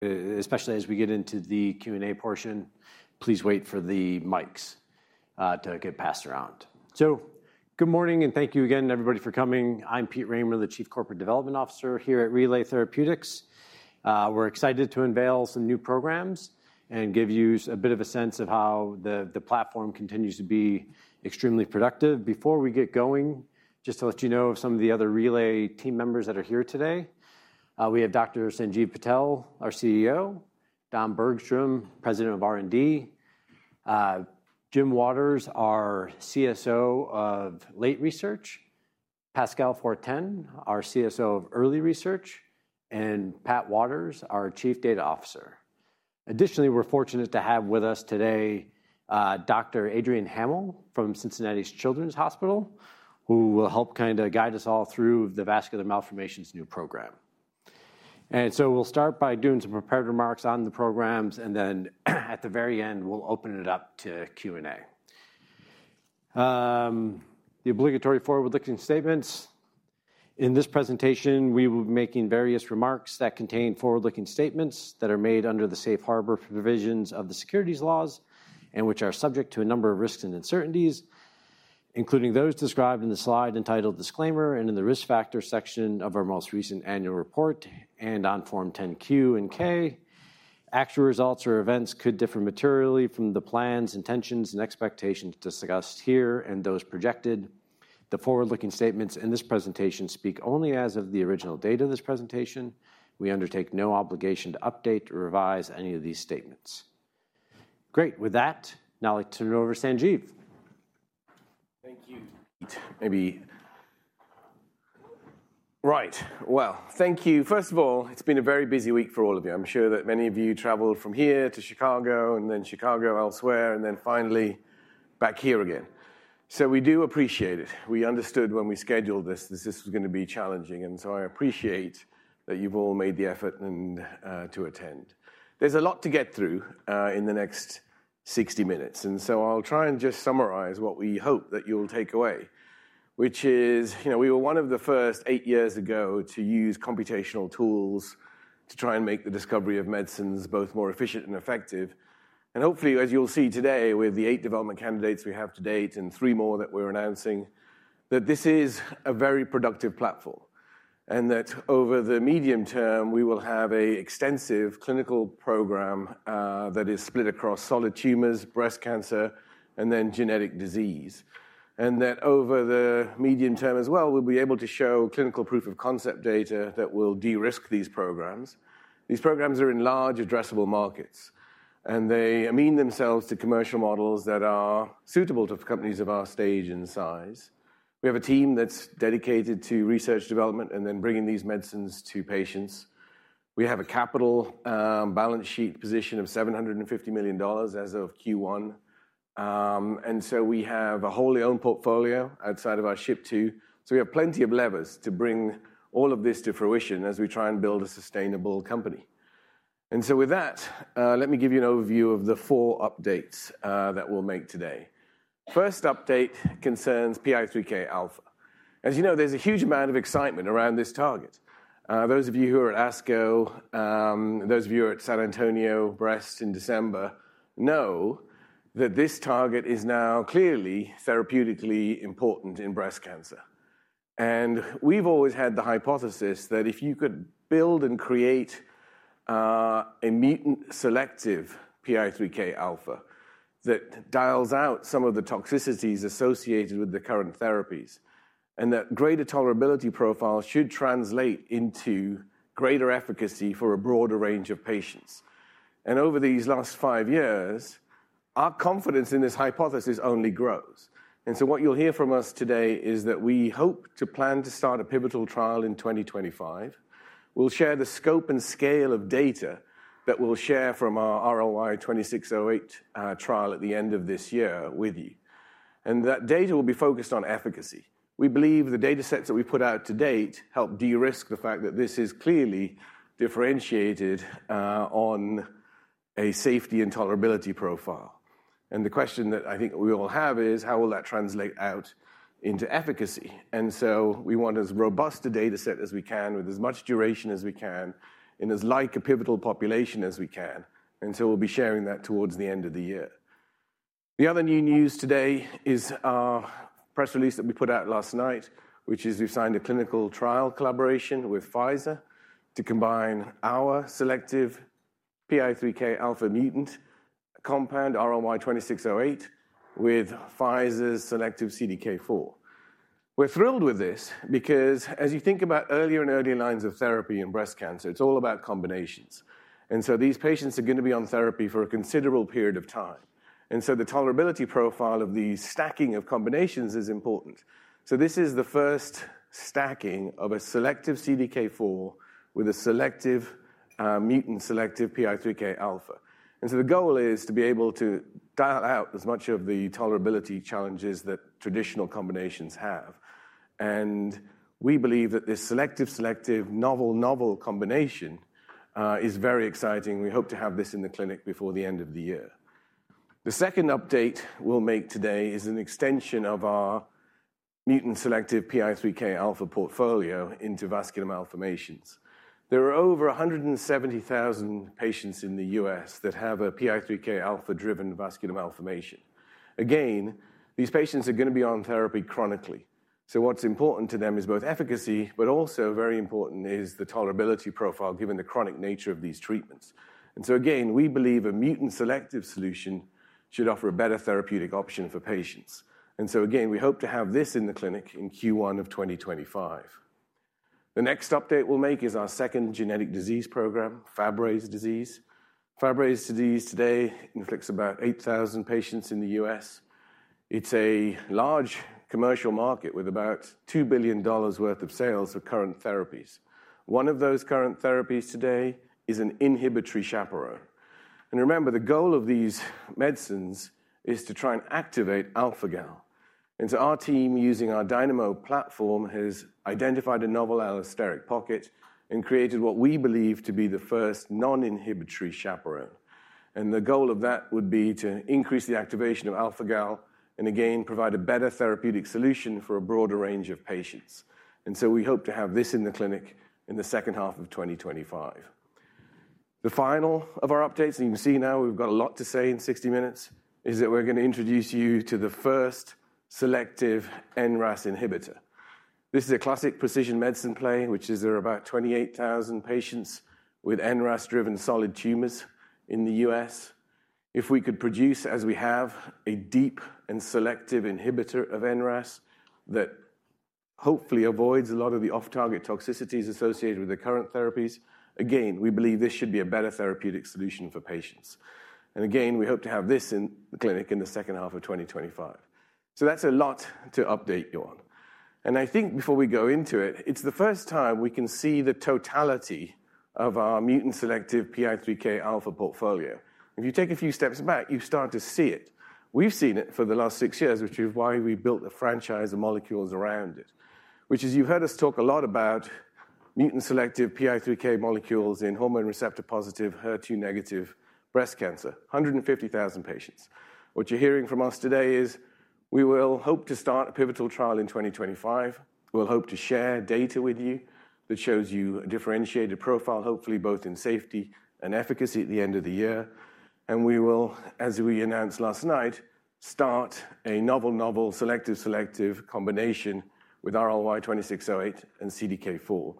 Especially as we get into the Q&A portion, please wait for the mics to get passed around. So good morning, and thank you again, everybody, for coming. I'm Pete Rahmer, the Chief Corporate Development Officer here at Relay Therapeutics. We're excited to unveil some new programs and give yous a bit of a sense of how the platform continues to be extremely productive. Before we get going, just to let you know of some of the other Relay team members that are here today, we have Dr. Sanjiv Patel, our CEO; Don Bergstrom, President of R&D; Jim Waters, our CSO of Late Research; Pascal Fortin, our CSO of Early Research; and Pat Walters, our Chief Data Officer. Additionally, we're fortunate to have with us today, Dr. Adrienne Hammill from Cincinnati Children's Hospital, who will help kinda guide us all through the vascular malformations new program. So we'll start by doing some prepared remarks on the programs, and then at the very end, we'll open it up to Q&A. The obligatory forward-looking statements. In this presentation, we will be making various remarks that contain forward-looking statements that are made under the safe harbor provisions of the securities laws, and which are subject to a number of risks and uncertainties, including those described in the slide entitled "Disclaimer" and in the Risk Factor section of our most recent annual report and on Form 10-Q and 10-K. Actual results or events could differ materially from the plans, intentions, and expectations discussed here and those projected. The forward-looking statements in this presentation speak only as of the original date of this presentation. We undertake no obligation to update or revise any of these statements. Great! With that, now I'd like to turn it over to Sanjiv. Thank you, Pete. Well, thank you. First of all, it's been a very busy week for all of you. I'm sure that many of you traveled from here to Chicago, and then Chicago elsewhere, and then finally back here again. So we do appreciate it. We understood when we scheduled this, this was gonna be challenging, and so I appreciate that you've all made the effort to attend. There's a lot to get through in the next 60 minutes, and so I'll try and just summarize what we hope that you'll take away, which is, you know, we were one of the first eight years ago to use computational tools to try and make the discovery of medicines both more efficient and effective. And hopefully, as you'll see today, with the eight development candidates we have to date and three more that we're announcing, that this is a very productive platform, and that over the medium term, we will have an extensive clinical program that is split across solid tumors, breast cancer, and then genetic disease. And that over the medium term as well, we'll be able to show clinical proof of concept data that will de-risk these programs. These programs are in large addressable markets, and they lend themselves to commercial models that are suitable to companies of our stage and size. We have a team that's dedicated to research development and then bringing these medicines to patients. We have a capital balance sheet position of $750 million as of Q1. And so we have a wholly owned portfolio outside of our SHP2. So we have plenty of levers to bring all of this to fruition as we try and build a sustainable company. And so with that, let me give you an overview of the four updates that we'll make today. First update concerns PI3Kα. As you know, there's a huge amount of excitement around this target. Those of you who are at ASCO, those of you who are at San Antonio Breast in December, know that this target is now clearly therapeutically important in breast cancer. And we've always had the hypothesis that if you could build and create a mutant selective PI3Kα, that dials out some of the toxicities associated with the current therapies, and that greater tolerability profile should translate into greater efficacy for a broader range of patients. And over these last five years, our confidence in this hypothesis only grows. What you'll hear from us today is that we hope to plan to start a pivotal trial in 2025. We'll share the scope and scale of data that we'll share from our RLY-2608 trial at the end of this year with you, and that data will be focused on efficacy. We believe the datasets that we've put out to date help de-risk the fact that this is clearly differentiated on a safety and tolerability profile. The question that I think we all have is: how will that translate out into efficacy? We want as robust a dataset as we can, with as much duration as we can, in, like, a pivotal population as we can, and so we'll be sharing that towards the end of the year. The other new news today is our press release that we put out last night, which is we've signed a clinical trial collaboration with Pfizer to combine our selective PI3Kα mutant compound, RLY-2608, with Pfizer's selective CDK4. We're thrilled with this because as you think about earlier and earlier lines of therapy in breast cancer, it's all about combinations, and so these patients are going to be on therapy for a considerable period of time. And so the tolerability profile of the stacking of combinations is important. So this is the first stacking of a selective CDK4 with a selective, mutant selective PI3Kα. And so the goal is to be able to dial out as much of the tolerability challenges that traditional combinations have. And we believe that this selective, selective, novel, novel combination is very exciting. We hope to have this in the clinic before the end of the year. The second update we'll make today is an extension of our mutant selective PI3Kα portfolio into vascular malformations. There are over 170,000 patients in the U.S. that have a PI3Kα-driven vascular malformation. Again, these patients are gonna be on therapy chronically. So what's important to them is both efficacy, but also very important is the tolerability profile, given the chronic nature of these treatments. And so again, we believe a mutant selective solution should offer a better therapeutic option for patients. And so again, we hope to have this in the clinic in Q1 of 2025. The next update we'll make is our second genetic disease program, Fabry disease. Fabry disease today inflicts about 8,000 patients in the U.S. It's a large commercial market with about $2 billion worth of sales of current therapies. One of those current therapies today is an inhibitory chaperone. And remember, the goal of these medicines is to try and activate alpha-gal. And so our team, using our Dynamo platform, has identified a novel allosteric pocket and created what we believe to be the first non-inhibitory chaperone. And the goal of that would be to increase the activation of alpha-gal and again, provide a better therapeutic solution for a broader range of patients. And so we hope to have this in the clinic in the second half of 2025. The final of our updates, and you can see now we've got a lot to say in 60 minutes, is that we're gonna introduce you to the first selective NRAS inhibitor. This is a classic precision medicine play, which is there are about 28,000 patients with NRAS-driven solid tumors in the U.S. If we could produce, as we have, a deep and selective inhibitor of NRAS that hopefully avoids a lot of the off-target toxicities associated with the current therapies, again, we believe this should be a better therapeutic solution for patients. And again, we hope to have this in the clinic in the second half of 2025. So that's a lot to update you on. And I think before we go into it, it's the first time we can see the totality of our mutant selective PI3Kα portfolio. If you take a few steps back, you start to see it. We've seen it for the last six years, which is why we built the franchise of molecules around it, which is, you've heard us talk a lot about mutant selective PI3K molecules in hormone receptor-positive, HER2-negative breast cancer, 150,000 patients. What you're hearing from us today is we will hope to start a pivotal trial in 2025. We'll hope to share data with you that shows you a differentiated profile, hopefully both in safety and efficacy at the end of the year. And we will, as we announced last night, start a novel selective combination with RLY-2608 and CDK4.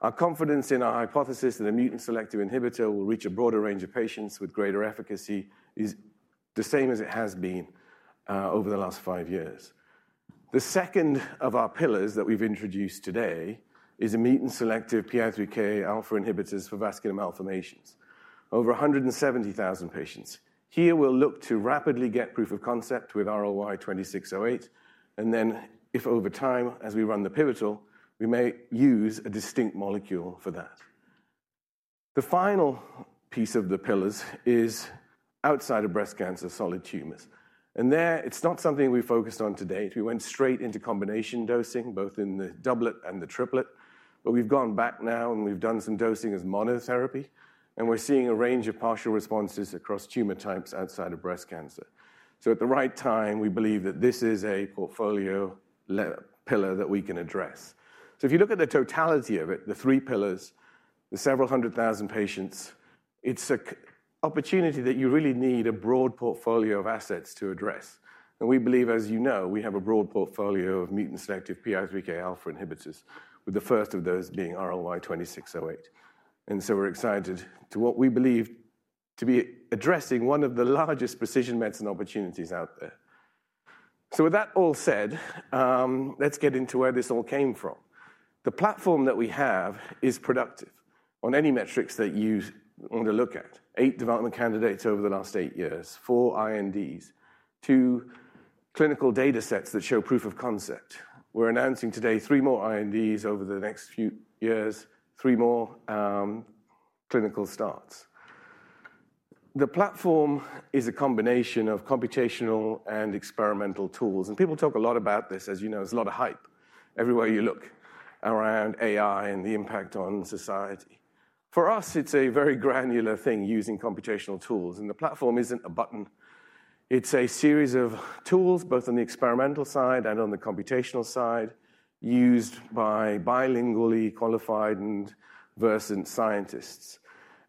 Our confidence in our hypothesis that a mutant selective inhibitor will reach a broader range of patients with greater efficacy is the same as it has been over the last five years. The second of our pillars that we've introduced today is a mutant selective PI3Kα inhibitors for vascular malformations, over 170,000 patients. Here, we'll look to rapidly get proof of concept with RLY-2608, and then if over time, as we run the pivotal, we may use a distinct molecule for that. The final piece of the pillars is outside of breast cancer, solid tumors, and there, it's not something we focused on today. We went straight into combination dosing, both in the doublet and the triplet, but we've gone back now, and we've done some dosing as monotherapy, and we're seeing a range of partial responses across tumor types outside of breast cancer. So at the right time, we believe that this is a portfolio pillar that we can address. So if you look at the totality of it, the three pillars, the several hundred thousand patients, it's a key opportunity that you really need a broad portfolio of assets to address. And we believe, as you know, we have a broad portfolio of mutant selective PI3Kα inhibitors, with the first of those being RLY-2608. And so we're excited to what we believe to be addressing one of the largest precision medicine opportunities out there. So with that all said, let's get into where this all came from. The platform that we have is productive on any metrics that you want to look at. Eight development candidates over the last eight years, four INDs, two clinical datasets that show proof of concept. We're announcing today three more INDs over the next few years, three more clinical starts. The platform is a combination of computational and experimental tools, and people talk a lot about this. As you know, there's a lot of hype everywhere you look around AI and the impact on society. For us, it's a very granular thing using computational tools, and the platform isn't a button. It's a series of tools, both on the experimental side and on the computational side, used by bilingually qualified and versed in scientists.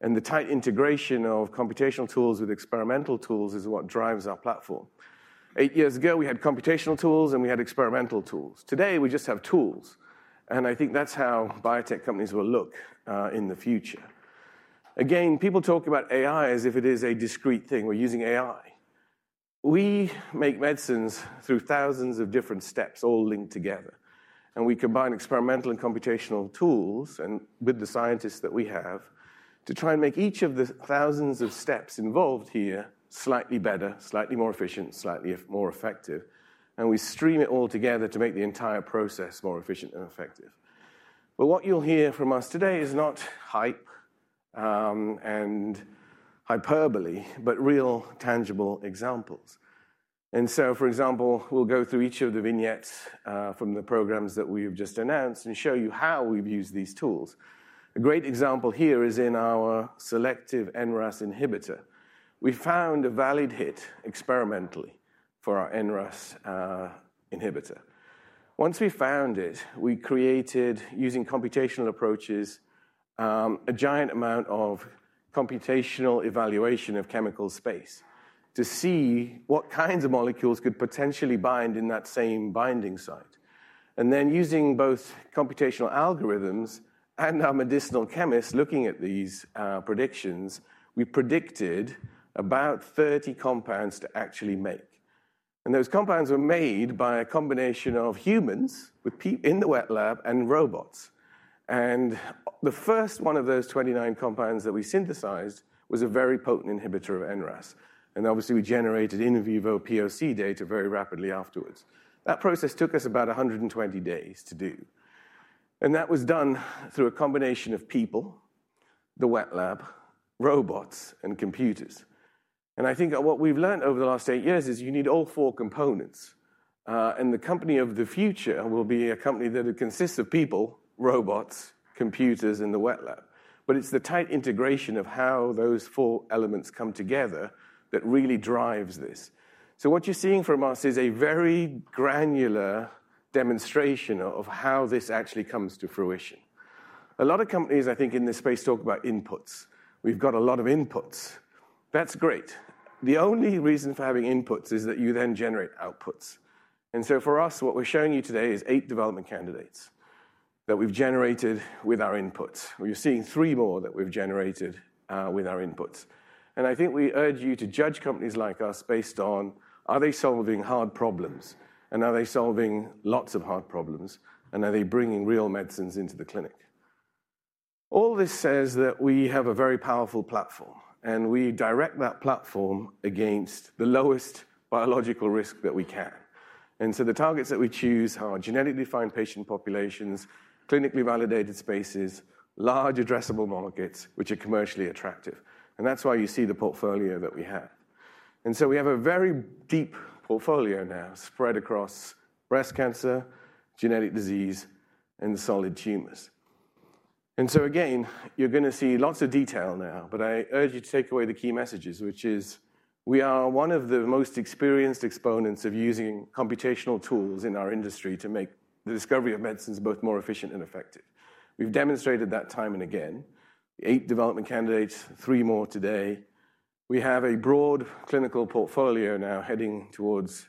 And the tight integration of computational tools with experimental tools is what drives our platform. Eight years ago, we had computational tools, and we had experimental tools. Today, we just have tools, and I think that's how biotech companies will look in the future. Again, people talk about AI as if it is a discrete thing. We're using AI. We make medicines through thousands of different steps, all linked together, and we combine experimental and computational tools and with the scientists that we have, to try and make each of the thousands of steps involved here slightly better, slightly more efficient, slightly more effective, and we stream it all together to make the entire process more efficient and effective. But what you'll hear from us today is not hype, and hyperbole, but real, tangible examples. And so, for example, we'll go through each of the vignettes, from the programs that we've just announced and show you how we've used these tools. A great example here is in our selective NRAS inhibitor. We found a valid hit experimentally for our NRAS, inhibitor. Once we found it, we created, using computational approaches, a giant amount of computational evaluation of chemical space to see what kinds of molecules could potentially bind in that same binding site. And then using both computational algorithms and our medicinal chemists looking at these predictions, we predicted about 30 compounds to actually make. And those compounds were made by a combination of humans in the wet lab and robots. And the first one of those 29 compounds that we synthesized was a very potent inhibitor of NRAS, and obviously, we generated in vivo POC data very rapidly afterwards. That process took us about 120 days to do, and that was done through a combination of people, the wet lab, robots, and computers. I think that what we've learned over the last eight years is you need all four components, and the company of the future will be a company that consists of people, robots, computers, and the wet lab. It's the tight integration of how those four elements come together that really drives this. What you're seeing from us is a very granular demonstration of how this actually comes to fruition. A lot of companies, I think, in this space talk about inputs. "We've got a lot of inputs." That's great. The only reason for having inputs is that you then generate outputs. So for us, what we're showing you today is eight development candidates that we've generated with our inputs. Well, you're seeing three more that we've generated with our inputs, and I think we urge you to judge companies like us based on: are they solving hard problems? And are they solving lots of hard problems, and are they bringing real medicines into the clinic? All this says that we have a very powerful platform, and we direct that platform against the lowest biological risk that we can. And so the targets that we choose are genetically defined patient populations, clinically validated spaces, large addressable markets, which are commercially attractive, and that's why you see the portfolio that we have. And so we have a very deep portfolio now spread across breast cancer, genetic disease, and solid tumors. And so again, you're gonna see lots of detail now, but I urge you to take away the key messages, which is we are one of the most experienced exponents of using computational tools in our industry to make the discovery of medicines both more efficient and effective. We've demonstrated that time and again, 8 development candidates, three more today. We have a broad clinical portfolio now heading towards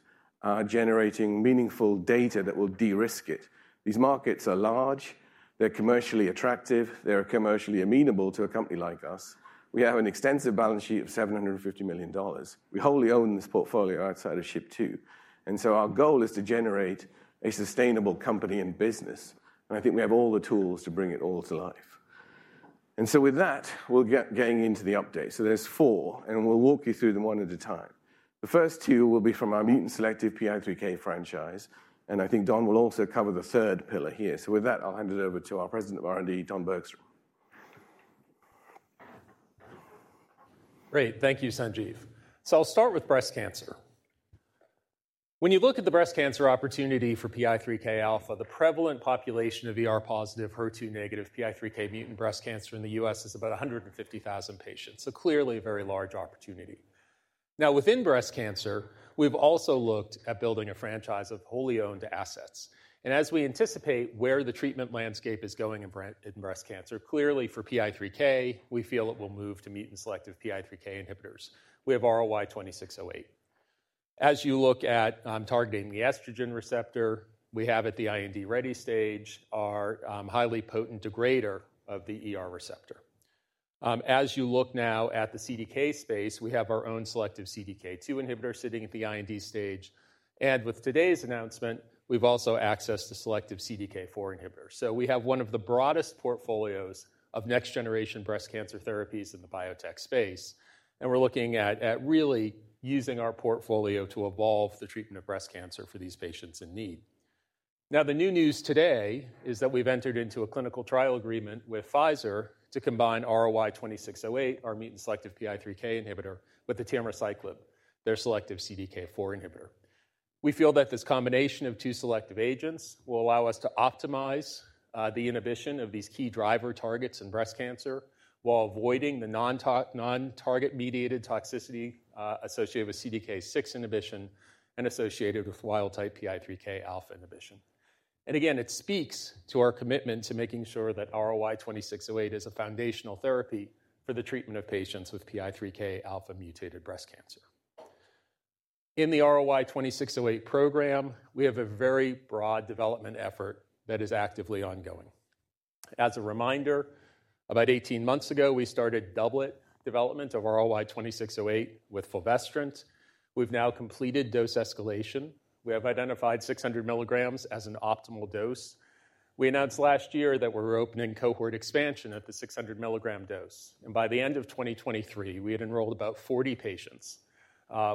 generating meaningful data that will de-risk it. These markets are large, they're commercially attractive, they're commercially amenable to a company like us. We have an extensive balance sheet of $750 million. We wholly own this portfolio outside of SHP2, and so our goal is to generate a sustainable company and business, and I think we have all the tools to bring it all to life. And so with that, we'll get into the update. So there's four, and we'll walk you through them one at a time. The first two will be from our mutant selective PI3K franchise, and I think Don will also cover the third pillar here. So with that, I'll hand it over to our President of R&D, Don Bergstrom. Great. Thank you, Sanjiv. So I'll start with breast cancer. When you look at the breast cancer opportunity for PI3Kα, the prevalent population of ER-positive, HER2-negative, PI3K mutant breast cancer in the U.S. is about 150,000 patients, so clearly a very large opportunity. Now, within breast cancer, we've also looked at building a franchise of wholly owned assets, and as we anticipate where the treatment landscape is going in breast cancer, clearly for PI3K, we feel it will move to mutant selective PI3K inhibitors. We have RLY-2608. As you look at targeting the estrogen receptor, we have at the IND-ready stage our highly potent degrader of the ER receptor. As you look now at the CDK space, we have our own selective CDK2 inhibitor sitting at the IND stage, and with today's announcement, we've also accessed a selective CDK4 inhibitor. So we have one of the broadest portfolios of next-generation breast cancer therapies in the biotech space, and we're looking at really using our portfolio to evolve the treatment of breast cancer for these patients in need. Now, the new news today is that we've entered into a clinical trial agreement with Pfizer to combine RLY-2608, our mutant selective PI3K inhibitor, with atirmociclib, their selective CDK4 inhibitor. We feel that this combination of two selective agents will allow us to optimize the inhibition of these key driver targets in breast cancer while avoiding the non-target-mediated toxicity associated with CDK6 inhibition and associated with wild-type PI3Kα inhibition. And again, it speaks to our commitment to making sure that RLY-2608 is a foundational therapy for the treatment of patients with PI3Kα mutated breast cancer. In the RLY-2608 program, we have a very broad development effort that is actively ongoing. As a reminder, about 18 months ago, we started doublet development of RLY-2608 with fulvestrant. We've now completed dose escalation. We have identified 600 mgs as an optimal dose. We announced last year that we're opening cohort expansion at the 600 mg dose, and by the end of 2023, we had enrolled about 40 patients,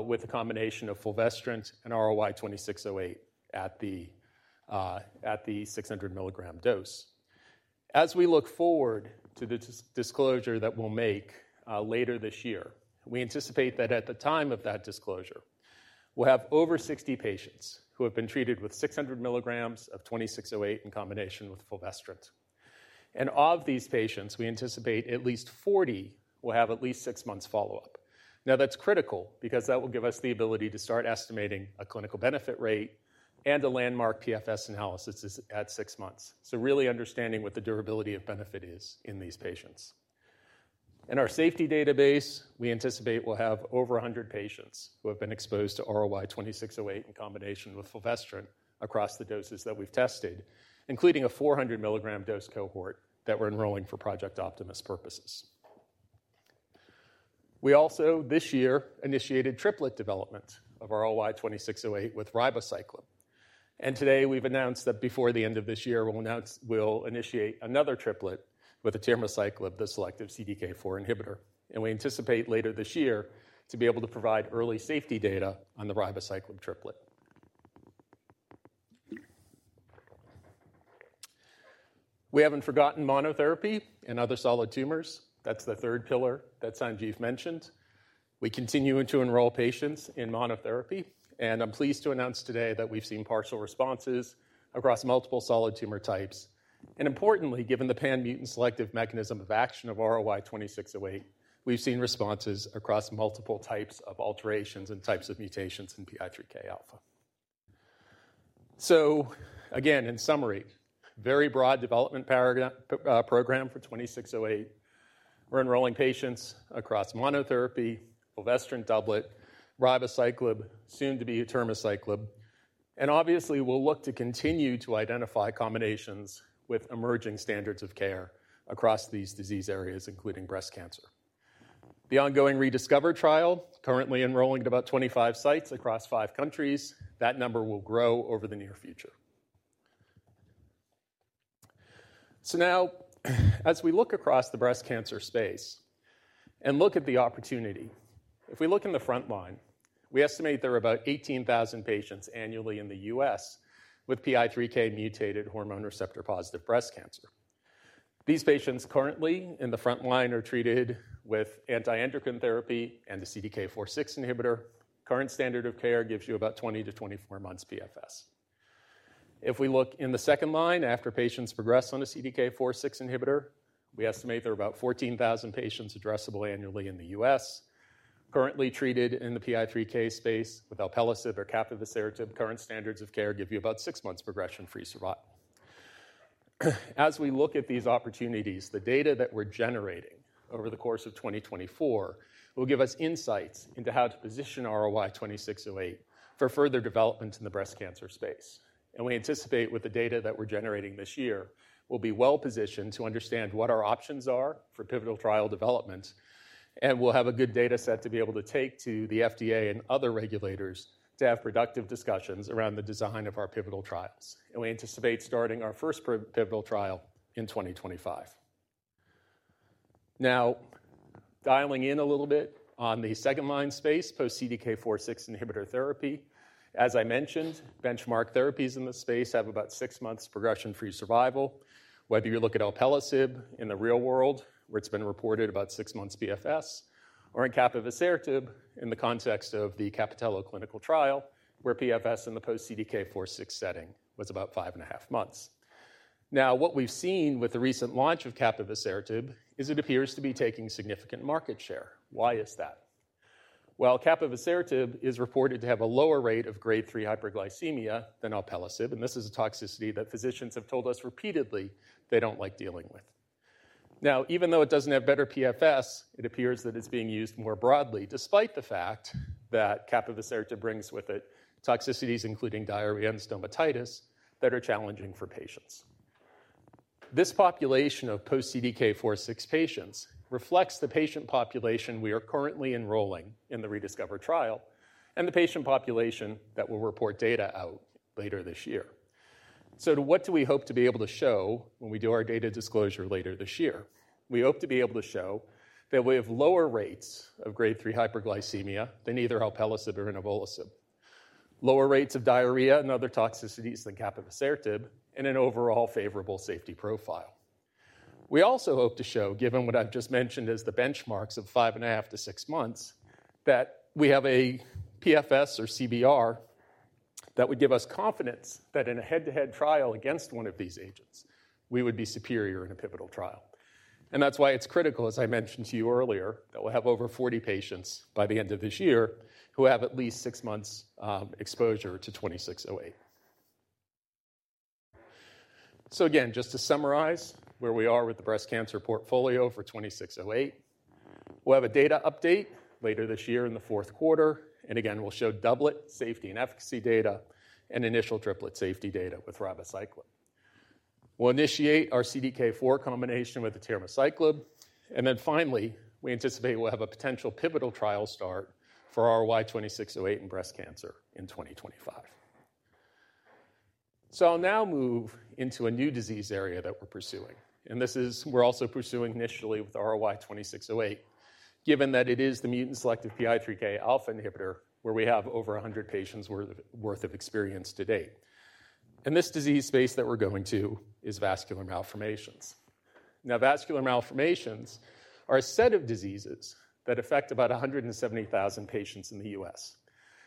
with a combination of fulvestrant and RLY-2608 at the 600 mg dose. As we look forward to the disclosure that we'll make later this year, we anticipate that at the time of that disclosure, we'll have over 60 patients who have been treated with 600 mgs of RLY-2608 in combination with fulvestrant. And of these patients, we anticipate at least 40 will have at least 6 months follow-up. Now, that's critical because that will give us the ability to start estimating a clinical benefit rate and a landmark PFS analysis at 6 months. So really understanding what the durability of benefit is in these patients. In our safety database, we anticipate we'll have over 100 patients who have been exposed to RLY-2608 in combination with fulvestrant across the doses that we've tested, including a 400 mg dose cohort that we're enrolling for Project Optimist purposes. We also, this year, initiated triplet development of RLY-2608 with ribociclib. And today we've announced that before the end of this year, we'll announce—we'll initiate another triplet with the atirmociclib, the selective CDK4 inhibitor, and we anticipate later this year to be able to provide early safety data on the ribociclib triplet. We haven't forgotten monotherapy in other solid tumors. That's the third pillar that Sanjiv mentioned. We continue to enroll patients in monotherapy, and I'm pleased to announce today that we've seen partial responses across multiple solid tumor types. And importantly, given the pan-mutant selective mechanism of action of RLY-2608, we've seen responses across multiple types of alterations and types of mutations in PI3Kα. So again, in summary, very broad development program for 2608. We're enrolling patients across monotherapy, fulvestrant doublet, ribociclib, soon to be an atirmociclib, and obviously, we'll look to continue to identify combinations with emerging standards of care across these disease areas, including breast cancer. The ongoing ReDiscover trial, currently enrolling at about 25 sites across five countries. That number will grow over the near future. So now, as we look across the breast cancer space and look at the opportunity, if we look in the front line, we estimate there are about 18,000 patients annually in the U.S. with PI3K-mutated hormone receptor-positive breast cancer. These patients currently in the front line are treated with anti-androgen therapy and the CDK4/6 inhibitor. Current standard of care gives you about 20-24 months PFS. If we look in the second line, after patients progress on a CDK4/6 inhibitor, we estimate there are about 14,000 patients addressable annually in the U.S., currently treated in the PI3K space with alpelisib or capivasertib. Current standards of care give you about six months progression-free survival. As we look at these opportunities, the data that we're generating over the course of 2024 will give us insights into how to position RLY-2608 for further development in the breast cancer space. And we anticipate with the data that we're generating this year, we'll be well-positioned to understand what our options are for pivotal trial development, and we'll have a good data set to be able to take to the FDA and other regulators to have productive discussions around the design of our pivotal trials. And we anticipate starting our first pivotal trial in 2025. Now, dialing in a little bit on the second-line space, post CDK4/6 inhibitor therapy. As I mentioned, benchmark therapies in this space have about six months progression-free survival, whether you look at alpelisib in the real world, where it's been reported about six months PFS, or in capivasertib, in the context of the CAPITELLO clinical trial, where PFS in the post CDK4/6 setting was about 5.5 months. Now, what we've seen with the recent launch of capivasertib is it appears to be taking significant market share. Why is that? Well, capivasertib is reported to have a lower rate of Grade 3 hyperglycemia than alpelisib, and this is a toxicity that physicians have told us repeatedly they don't like dealing with. Now, even though it doesn't have better PFS, it appears that it's being used more broadly, despite the fact that capivasertib brings with it toxicities, including diarrhea and stomatitis, that are challenging for patients. This population of post CDK4/6 patients reflects the patient population we are currently enrolling in the ReDiscover trial and the patient population that will report data out later this year. So what do we hope to be able to show when we do our data disclosure later this year? We hope to be able to show that we have lower rates of Grade three hyperglycemia than either alpelisib or inavolisib, lower rates of diarrhea and other toxicities than capivasertib, and an overall favorable safety profile. We also hope to show, given what I've just mentioned, as the benchmarks of 5.5-6 months, that we have a PFS or CBR that would give us confidence that in a head-to-head trial against one of these agents, we would be superior in a pivotal trial. And that's why it's critical, as I mentioned to you earlier, that we'll have over 40 patients by the end of this year who have at least six months exposure to RLY-2608. So again, just to summarize where we are with the breast cancer portfolio for RLY-2608, we'll have a data update later this year in the fourth quarter, and again, we'll show doublet safety and efficacy data and initial triplet safety data with ribociclib. We'll initiate our CDK4 combination with the atirmociclib, and then finally, we anticipate we'll have a potential pivotal trial start for RLY-2608 in breast cancer in 2025. So I'll now move into a new disease area that we're pursuing, and this is, we're also pursuing initially with RLY-2608, given that it is the mutant selective PI3Kα inhibitor, where we have over 100 patients worth of experience to date. And this disease space that we're going to is vascular malformations. Now, vascular malformations are a set of diseases that affect about 170,000 patients in the U.S.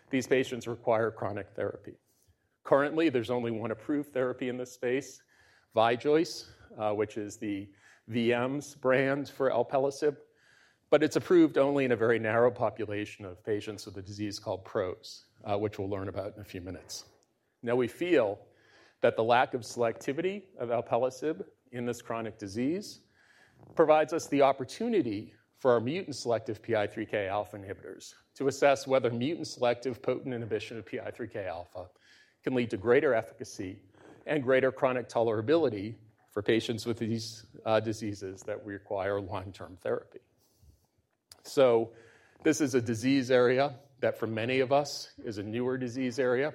These patients require chronic therapy. Currently, there's only one approved therapy in this space, Vijoice, which is the VM brand for alpelisib, but it's approved only in a very narrow population of patients with a disease called PROS, which we'll learn about in a few minutes. Now, we feel that the lack of selectivity of alpelisib in this chronic disease provides us the opportunity for our mutant selective PI3Kα inhibitors to assess whether mutant selective potent inhibition of PI3Kα can lead to greater efficacy and greater chronic tolerability for patients with these, diseases that require long-term therapy. So this is a disease area that, for many of us, is a newer disease area.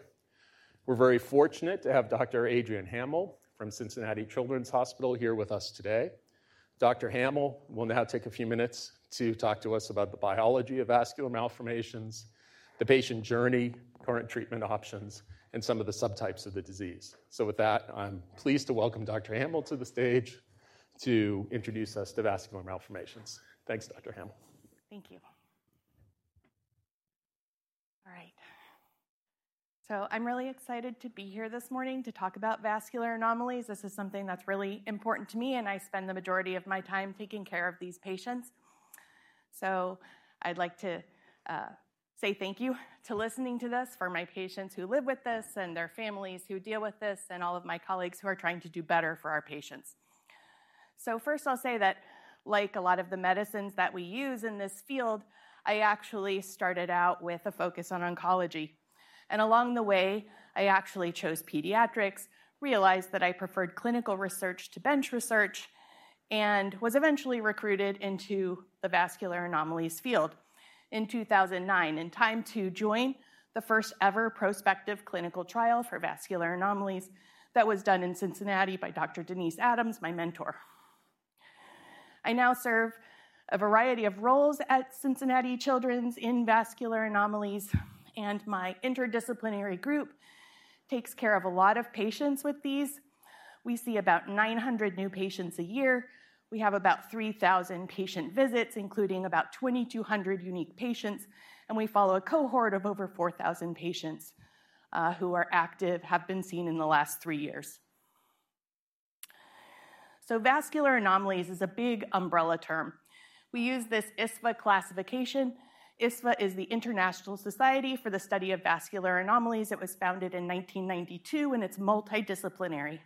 We're very fortunate to have Dr. Adrienne Hammill from Cincinnati Children's Hospital here with us today. Dr. Hammill will now take a few minutes to talk to us about the biology of vascular malformations, the patient journey, current treatment options, and some of the subtypes of the disease. So with that, I'm pleased to welcome Dr. Hammill to the stage to introduce us to vascular malformations. Thanks, Dr. Hammill. Thank you. All right. So I'm really excited to be here this morning to talk about vascular anomalies. This is something that's really important to me, and I spend the majority of my time taking care of these patients. So I'd like to say thank you to listening to this for my patients who live with this and their families who deal with this, and all of my colleagues who are trying to do better for our patients. So first, I'll say that like a lot of the medicines that we use in this field, I actually started out with a focus on oncology, and along the way, I actually chose pediatrics, realized that I preferred clinical research to bench research, and was eventually recruited into the vascular anomalies field in 2009, in time to join the first-ever prospective clinical trial for vascular anomalies that was done in Cincinnati by Dr. Denise Adams, my mentor. I now serve a variety of roles at Cincinnati Children's in vascular anomalies, and my interdisciplinary group takes care of a lot of patients with these. We see about 900 new patients a year. We have about 3,000 patient visits, including about 2,200 unique patients, and we follow a cohort of over 4,000 patients who are active, have been seen in the last three years. Vascular anomalies is a big umbrella term. We use this ISSVA classification. ISSVA is the International Society for the Study of Vascular Anomalies. It was founded in 1992, and it's multidisciplinary.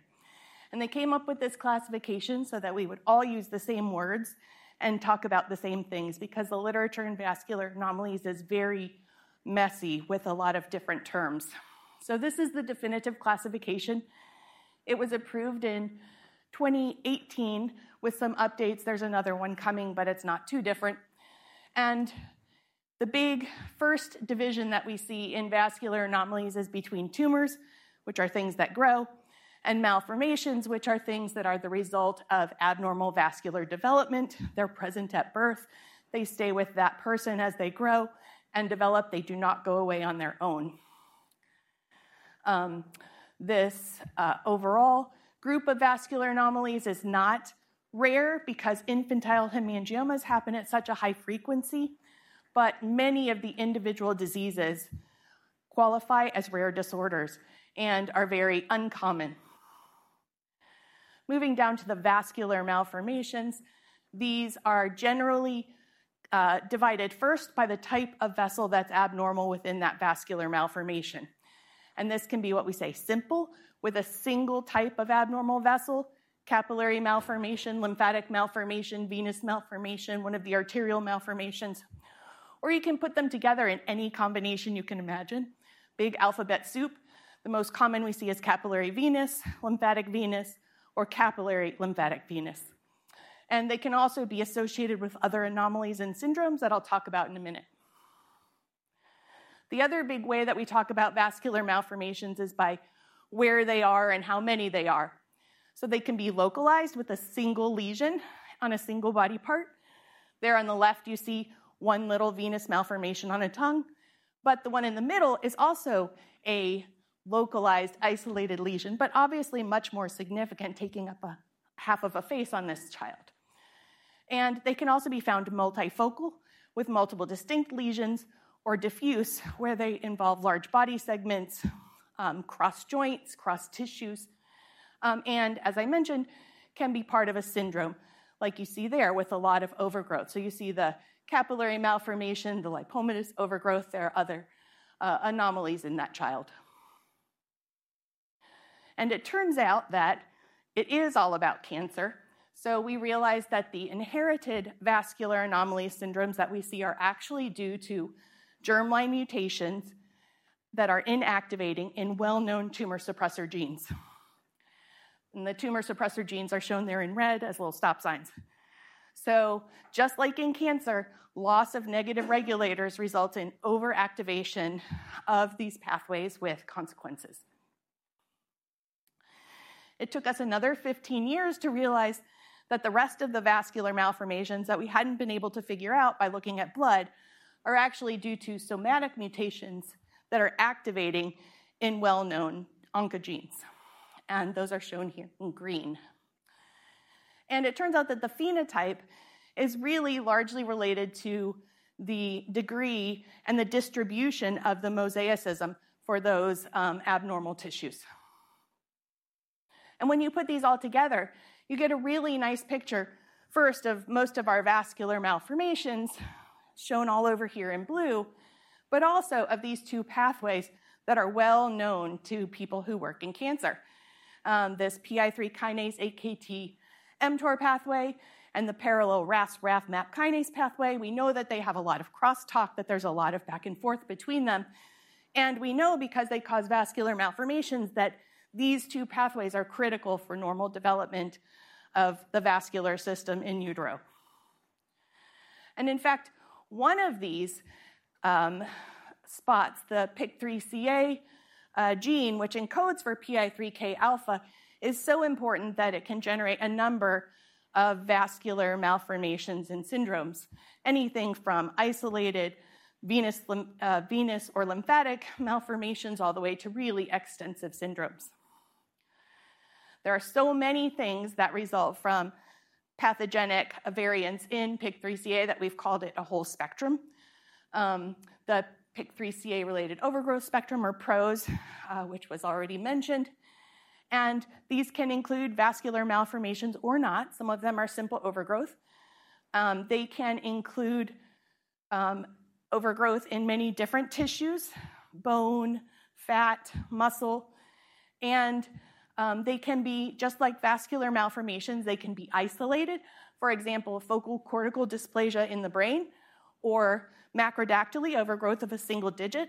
They came up with this classification so that we would all use the same words and talk about the same things, because the literature in vascular anomalies is very messy, with a lot of different terms. This is the definitive classification. It was approved in 2018 with some updates. There's another one coming, but it's not too different. The big first division that we see in vascular anomalies is between tumors, which are things that grow, and malformations, which are things that are the result of abnormal vascular development. They're present at birth, they stay with that person as they grow and develop. They do not go away on their own. This overall group of vascular anomalies is not rare because infantile hemangiomas happen at such a high frequency, but many of the individual diseases qualify as rare disorders and are very uncommon. Moving down to the vascular malformations, these are generally divided first by the type of vessel that's abnormal within that vascular malformation. This can be what we say, simple, with a single type of abnormal vessel, capillary malformation, lymphatic malformation, venous malformation, one of the arterial malformations, or you can put them together in any combination you can imagine. Big alphabet soup. The most common we see is capillary venous, lymphatic venous, or capillary lymphatic venous. And they can also be associated with other anomalies and syndromes that I'll talk about in a minute. The other big way that we talk about vascular malformations is by where they are and how many they are. So they can be localized with a single lesion on a single body part. There on the left, you see one little venous malformation on a tongue, but the one in the middle is also a localized, isolated lesion, but obviously much more significant, taking up a half of a face on this child. And they can also be found multifocal, with multiple distinct lesions, or diffuse, where they involve large body segments, cross joints, cross tissues, and as I mentioned, can be part of a syndrome like you see there with a lot of overgrowth. So you see the capillary malformation, the lipomatous overgrowth. There are other anomalies in that child. It turns out that it is all about cancer, so we realize that the inherited vascular anomaly syndromes that we see are actually due to germline mutations that are inactivating in well-known tumor suppressor genes. The tumor suppressor genes are shown there in red as little stop signs. Just like in cancer, loss of negative regulators results in overactivation of these pathways with consequences. It took us another 15 years to realize that the rest of the vascular malformations that we hadn't been able to figure out by looking at blood are actually due to somatic mutations that are activating in well-known oncogenes, and those are shown here in green. It turns out that the phenotype is really largely related to the degree and the distribution of the mosaicism for those abnormal tissues. When you put these all together, you get a really nice picture, first, of most of our vascular malformations, shown all over here in blue, but also of these two pathways that are well known to people who work in cancer. This PI3K, AKT, mTOR pathway, and the parallel RAS RAF MAP kinase pathway. We know that they have a lot of crosstalk, that there's a lot of back and forth between them, and we know because they cause vascular malformations, that these two pathways are critical for normal development of the vascular system in utero. In fact, one of these spots, the PIK3CA gene, which encodes for PI3Kα, is so important that it can generate a number of vascular malformations and syndromes, anything from isolated venous or lymphatic malformations, all the way to really extensive syndromes. There are so many things that result from pathogenic variants in PIK3CA that we've called it a whole spectrum. The PIK3CA-Related Overgrowth Spectrum, or PROS, which was already mentioned, and these can include vascular malformations or not. Some of them are simple overgrowth. They can include overgrowth in many different tissues: bone, fat, muscle, and they can be just like vascular malformations. They can be isolated, for example, focal cortical dysplasia in the brain or macrodactyly, overgrowth of a single digit,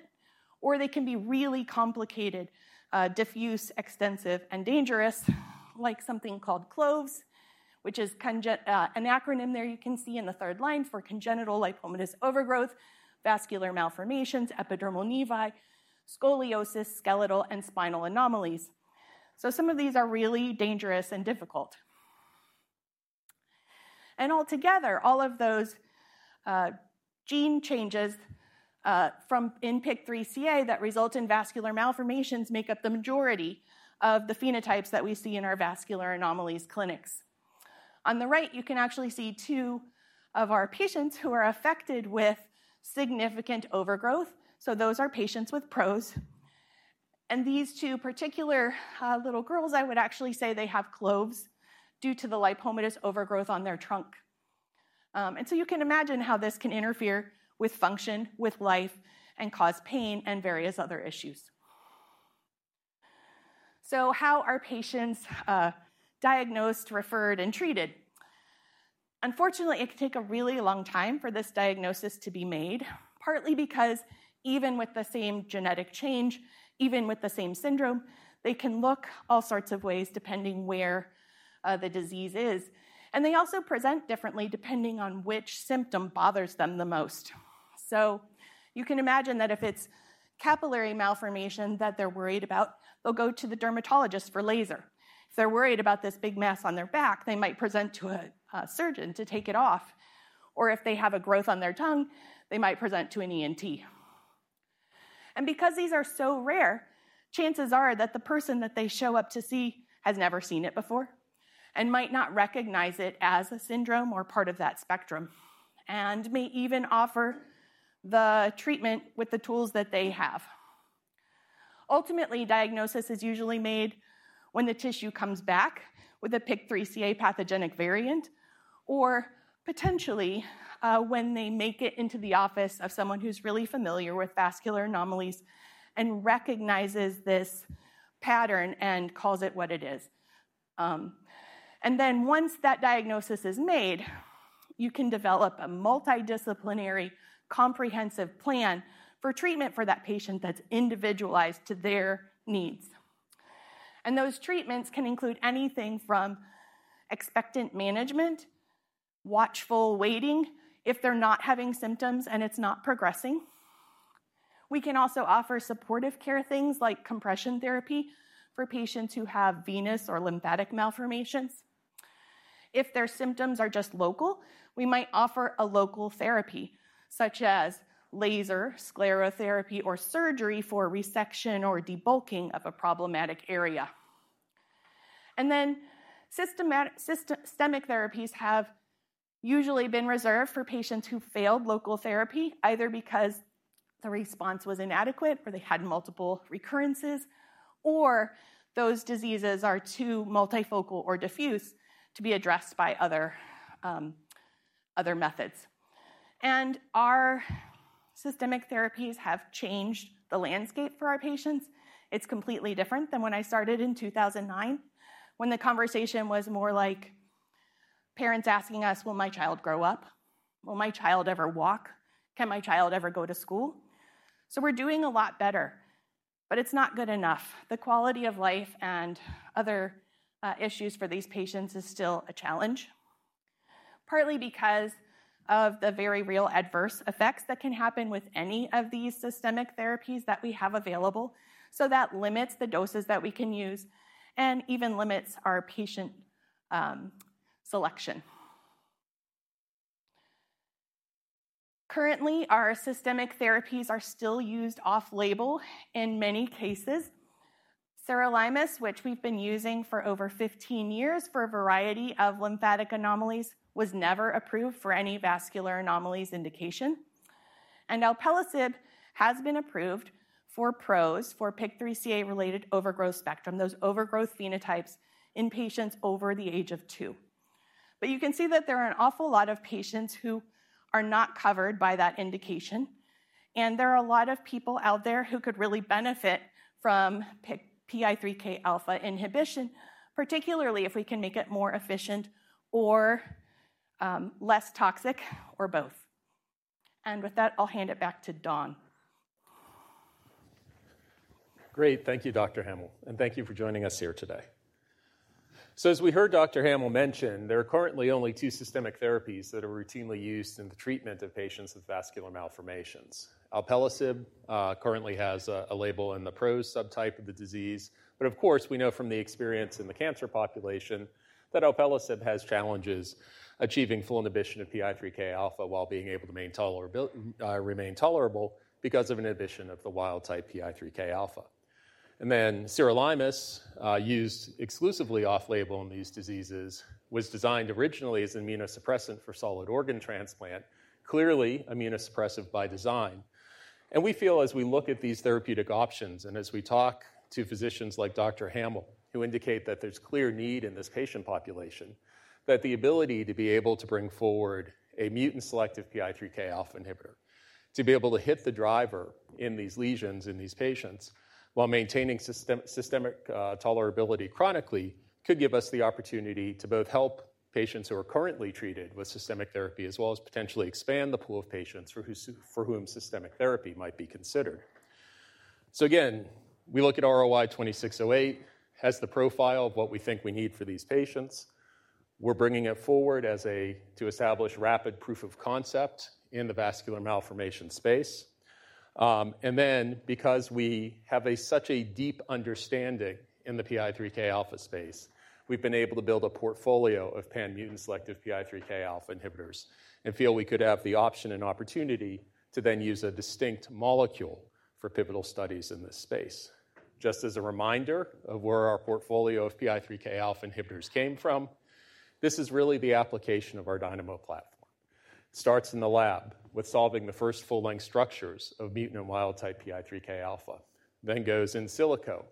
or they can be really complicated, diffuse, extensive, and dangerous, like something called CLOVES, which is an acronym there you can see in the third line for congenital lipomatous overgrowth, vascular malformations, epidermal nevi, scoliosis, skeletal and spinal anomalies. So some of these are really dangerous and difficult. Altogether, all of those gene changes from in PIK3CA that result in vascular malformations make up the majority of the phenotypes that we see in our vascular anomalies clinics. On the right, you can actually see two of our patients who are affected with significant overgrowth. Those are patients with PROS. These two particular little girls, I would actually say they have CLOVES due to the lipomatous overgrowth on their trunk. So you can imagine how this can interfere with function, with life, and cause pain and various other issues. How are patients diagnosed, referred, and treated? Unfortunately, it can take a really long time for this diagnosis to be made, partly because even with the same genetic change, even with the same syndrome, they can look all sorts of ways, depending where the disease is. They also present differently, depending on which symptom bothers them the most. So you can imagine that if it's capillary malformation that they're worried about, they'll go to the dermatologist for laser. If they're worried about this big mass on their back, they might present to a surgeon to take it off, or if they have a growth on their tongue, they might present to an ENT. And because these are so rare, chances are that the person that they show up to see has never seen it before and might not recognize it as a syndrome or part of that spectrum, and may even offer the treatment with the tools that they have. Ultimately, diagnosis is usually made when the tissue comes back with a PIK3CA pathogenic variant, or potentially, when they make it into the office of someone who's really familiar with vascular anomalies and recognizes this pattern and calls it what it is. And then once that diagnosis is made, you can develop a multidisciplinary, comprehensive plan for treatment for that patient that's individualized to their needs. Those treatments can include anything from expectant management, watchful waiting, if they're not having symptoms and it's not progressing. We can also offer supportive care, things like compression therapy for patients who have venous or lymphatic malformations. If their symptoms are just local, we might offer a local therapy, such as laser, sclerotherapy, or surgery for resection or debulking of a problematic area. And then systemic therapies have usually been reserved for patients who failed local therapy, either because the response was inadequate or they had multiple recurrences, or those diseases are too multifocal or diffuse to be addressed by other methods. And our systemic therapies have changed the landscape for our patients. It's completely different than when I started in 2009, when the conversation was more like parents asking us: "Will my child grow up? Will my child ever walk? Can my child ever go to school?" So we're doing a lot better, but it's not good enough. The quality of life and other issues for these patients is still a challenge, partly because of the very real adverse effects that can happen with any of these systemic therapies that we have available. So that limits the doses that we can use and even limits our patient selection. Currently, our systemic therapies are still used off-label in many cases. Sirolimus, which we've been using for over 15 years for a variety of lymphatic anomalies, was never approved for any vascular anomalies indication. And alpelisib has been approved for PROS, for PIK3CA-related overgrowth spectrum, those overgrowth phenotypes in patients over the age of 2. But you can see that there are an awful lot of patients who are not covered by that indication, and there are a lot of people out there who could really benefit from PI3Kα inhibition, particularly if we can make it more efficient or less toxic or both. And with that, I'll hand it back to Don. Great. Thank you, Dr. Hammill, and thank you for joining us here today. So as we heard Dr. Hammill mention, there are currently only two systemic therapies that are routinely used in the treatment of patients with vascular malformations. Alpelisib currently has a label in the PROS subtype of the disease, but of course, we know from the experience in the cancer population that alpelisib has challenges achieving full inhibition of PI3Kα while being able to remain tolerable because of inhibition of the wild-type PI3Kα. And then sirolimus, used exclusively off-label in these diseases, was designed originally as an immunosuppressant for solid organ transplant, clearly immunosuppressive by design. And we feel as we look at these therapeutic options and as we talk to physicians like Dr. Hammill, who indicate that there's clear need in this patient population, that the ability to be able to bring forward a mutant-selective PI3Kα inhibitor, to be able to hit the driver in these lesions in these patients while maintaining systemic tolerability chronically, could give us the opportunity to both help patients who are currently treated with systemic therapy, as well as potentially expand the pool of patients for whom systemic therapy might be considered. So again, we look at RLY-2608, has the profile of what we think we need for these patients. We're bringing it forward as a-- to establish rapid proof of concept in the vascular malformation space. Because we have such a deep understanding in the PI3Kα space, we've been able to build a portfolio of pan-mutant selective PI3Kα inhibitors and feel we could have the option and opportunity to then use a distinct molecule for pivotal studies in this space. Just as a reminder of where our portfolio of PI3Kα inhibitors came from, this is really the application of our Dynamo platform. It starts in the lab with solving the first full-length structures of mutant and wild-type PI3Kα, then goes in silico,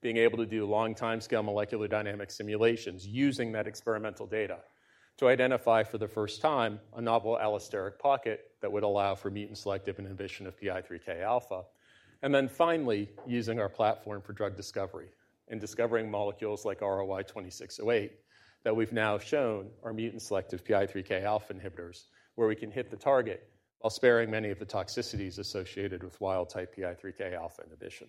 being able to do long timescale molecular dynamic simulations using that experimental data to identify, for the first time, a novel allosteric pocket that would allow for mutant selective inhibition of PI3Kα. And then finally, using our platform for drug discovery and discovering molecules like RLY-2608, that we've now shown are mutant-selective PI3Kα inhibitors, where we can hit the target while sparing many of the toxicities associated with wild-type PI3Kα inhibition.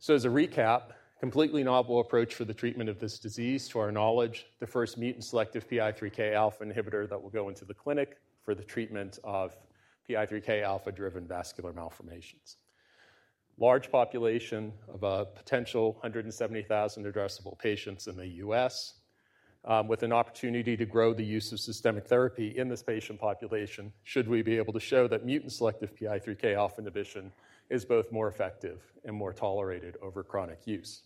So as a recap, completely novel approach for the treatment of this disease. To our knowledge, the first mutant-selective PI3Kα inhibitor that will go into the clinic for the treatment of PI3Kα-driven vascular malformations. Large population of a potential 170,000 addressable patients in the U.S., with an opportunity to grow the use of systemic therapy in this patient population, should we be able to show that mutant-selective PI3Kα inhibition is both more effective and more tolerated over chronic use.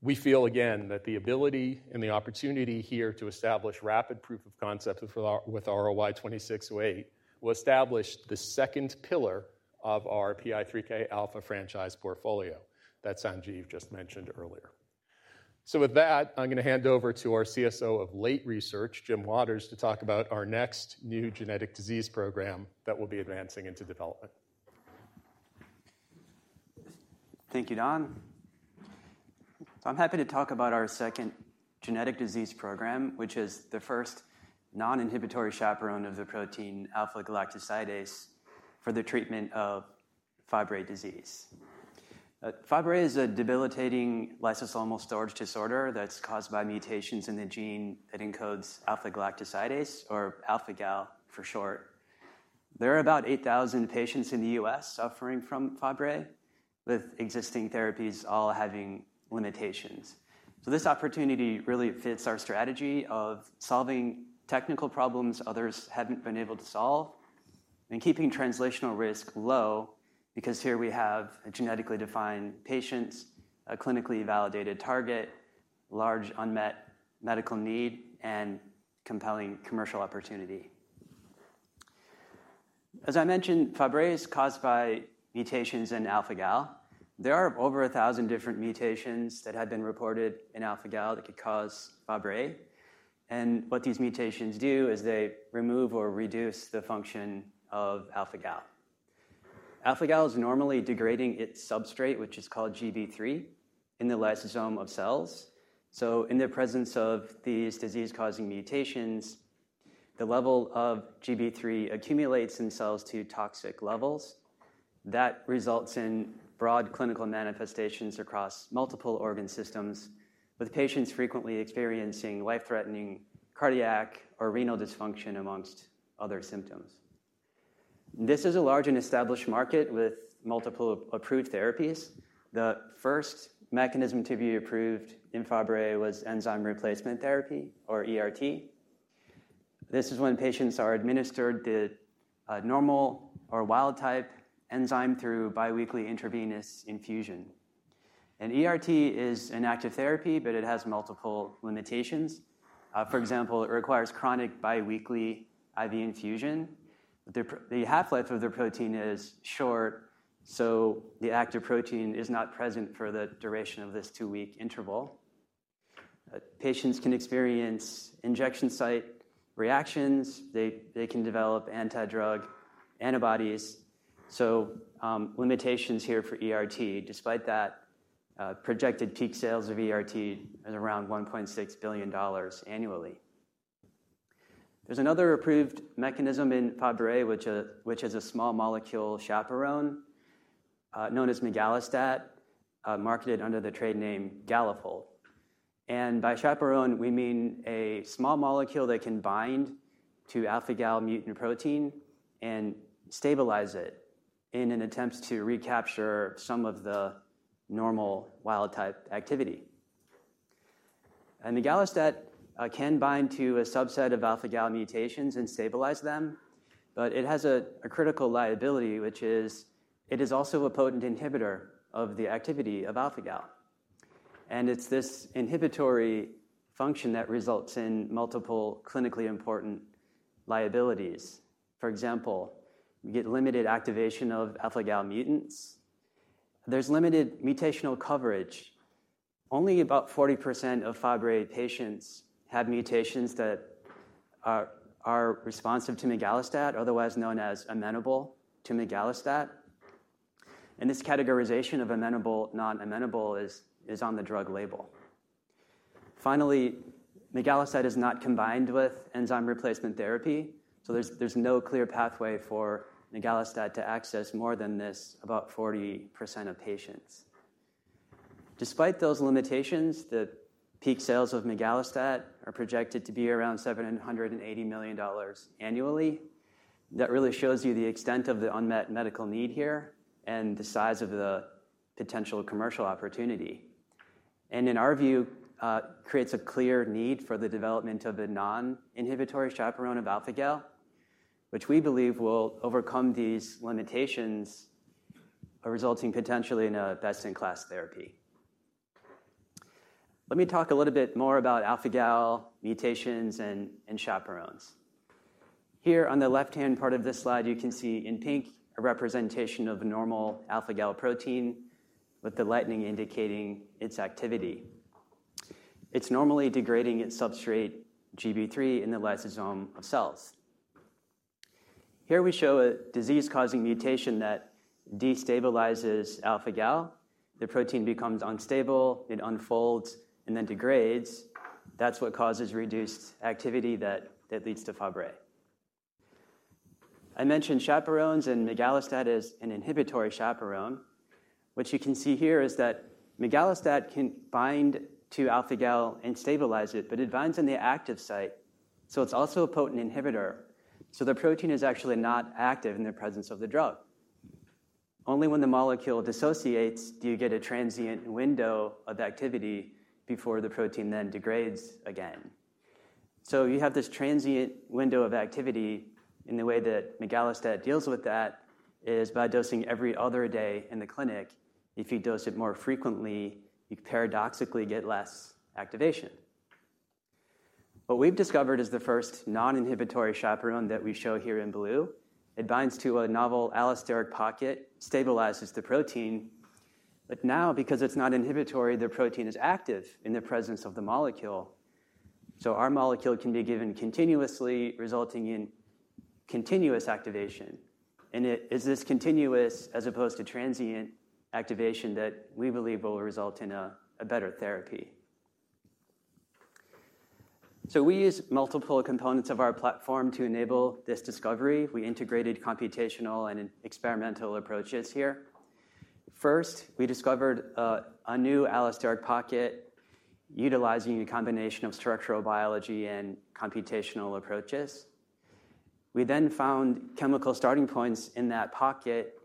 We feel, again, that the ability and the opportunity here to establish rapid proof of concept with our RLY-2608 will establish the second pillar of our PI3Kα franchise portfolio that Sanjiv just mentioned earlier. With that, I'm gonna hand over to our CSO of late research, Jim Waters, to talk about our next new genetic disease program that we'll be advancing into development. Thank you, Don. I'm happy to talk about our second genetic disease program, which is the first non-inhibitory chaperone of the protein alpha-galactosidase for the treatment of Fabry disease. Fabry is a debilitating lysosomal storage disorder that's caused by mutations in the gene that encodes alpha-galactosidase or alpha-gal, for short. There are about 8,000 patients in the U.S. suffering from Fabry, with existing therapies all having limitations. So this opportunity really fits our strategy of solving technical problems others haven't been able to solve and keeping translational risk low, because here we have genetically defined patients, a clinically validated target, large unmet medical need, and compelling commercial opportunity. As I mentioned, Fabry is caused by mutations in alpha-gal. There are over 1,000 different mutations that have been reported in alpha-gal that could cause Fabry, and what these mutations do is they remove or reduce the function of alpha-gal. Alpha-gal is normally degrading its substrate, which is called Gb3, in the lysosome of cells. So in the presence of these disease-causing mutations, the level of Gb3 accumulates in cells to toxic levels. That results in broad clinical manifestations across multiple organ systems, with patients frequently experiencing life-threatening cardiac or renal dysfunction, amongst other symptoms. This is a large and established market with multiple approved therapies. The first mechanism to be approved in Fabry was enzyme replacement therapy, or ERT. This is when patients are administered the normal or wild type enzyme through biweekly intravenous infusion. ERT is an active therapy, but it has multiple limitations. For example, it requires chronic biweekly IV infusion. The half-life of the protein is short, so the active protein is not present for the duration of this 2-week interval. Patients can experience injection site reactions. They can develop anti-drug antibodies. Limitations here for ERT; despite that, projected peak sales of ERT is around $1.6 billion annually. There's another approved mechanism in Fabry, which is a small molecule chaperone known as migalastat, marketed under the trade name Galafold. By chaperone, we mean a small molecule that can bind to alpha-gal mutant protein and stabilize it in an attempt to recapture some of the normal wild type activity. Migalastat can bind to a subset of alpha-gal mutations and stabilize them, but it has a critical liability, which is it is also a potent inhibitor of the activity of alpha-gal. And it's this inhibitory function that results in multiple clinically important liabilities. For example, we get limited activation of alpha-gal mutants. There's limited mutational coverage. Only about 40% of Fabry patients have mutations that are responsive to migalastat, otherwise known as amenable to migalastat, and this categorization of amenable, non-amenable is on the drug label. Finally, migalastat is not combined with enzyme replacement therapy, so there's no clear pathway for migalastat to access more than this, about 40% of patients. Despite those limitations, the peak sales of migalastat are projected to be around $780 million annually. That really shows you the extent of the unmet medical need here and the size of the potential commercial opportunity, and in our view, creates a clear need for the development of a non-inhibitory chaperone of alpha-gal, which we believe will overcome these limitations, resulting potentially in a best-in-class therapy. Let me talk a little bit more about alpha-gal mutations and chaperones. Here, on the left-hand part of this slide, you can see in pink a representation of a normal alpha-gal protein, with the lightning indicating its activity. It's normally degrading its substrate, Gb3, in the lysosome of cells. Here we show a disease-causing mutation that destabilizes alpha-gal. The protein becomes unstable, it unfolds, and then degrades. That's what causes reduced activity that leads to Fabry. I mentioned chaperones, and migalastat is an inhibitory chaperone. What you can see here is that migalastat can bind to alpha-gal and stabilize it, but it binds in the active site, so it's also a potent inhibitor. So the protein is actually not active in the presence of the drug. Only when the molecule dissociates, do you get a transient window of activity before the protein then degrades again. So you have this transient window of activity, and the way that migalastat deals with that is by dosing every other day in the clinic. If you dose it more frequently, you paradoxically get less activation. What we've discovered is the first non-inhibitory chaperone that we show here in blue. It binds to a novel allosteric pocket, stabilizes the protein, but now, because it's not inhibitory, the protein is active in the presence of the molecule. So our molecule can be given continuously, resulting in continuous activation, and it is this continuous, as opposed to transient, activation that we believe will result in a better therapy. So we use multiple components of our platform to enable this discovery. We integrated computational and experimental approaches here. First, we discovered a new allosteric pocket utilizing a combination of structural biology and computational approaches. We then found chemical starting points in that pocket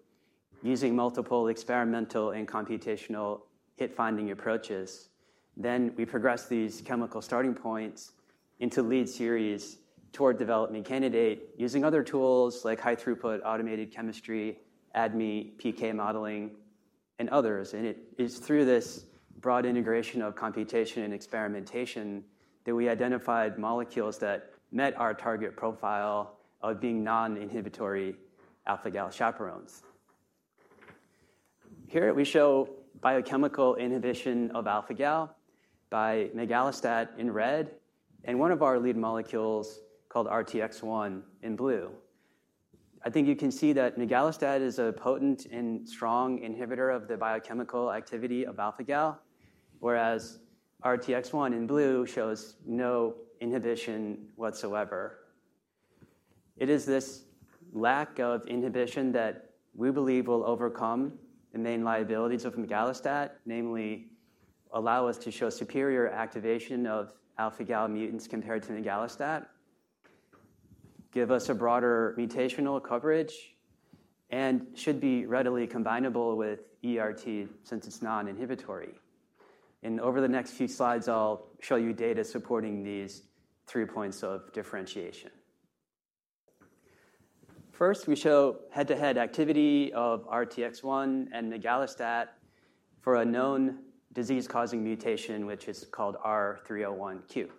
using multiple experimental and computational hit-finding approaches. Then we progressed these chemical starting points into lead series toward development candidate, using other tools like high-throughput, automated chemistry, ADME, PK modeling, and others. And it is through this broad integration of computation and experimentation that we identified molecules that met our target profile of being non-inhibitory alpha-gal chaperones. Here we show biochemical inhibition of alpha-gal by migalastat in red, and one of our lead molecules, called RTX-1, in blue. I think you can see that migalastat is a potent and strong inhibitor of the biochemical activity of alpha-gal, whereas RTX-1 in blue shows no inhibition whatsoever. It is this lack of inhibition that we believe will overcome the main liabilities of migalastat, namely, allow us to show superior activation of alpha-gal mutants compared to migalastat, give us a broader mutational coverage, and should be readily combinable with ERT since it's non-inhibitory. And over the next few slides, I'll show you data supporting these three points of differentiation. First, we show head-to-head activity of RTX-1 and migalastat for a known disease-causing mutation, which is called R301Q.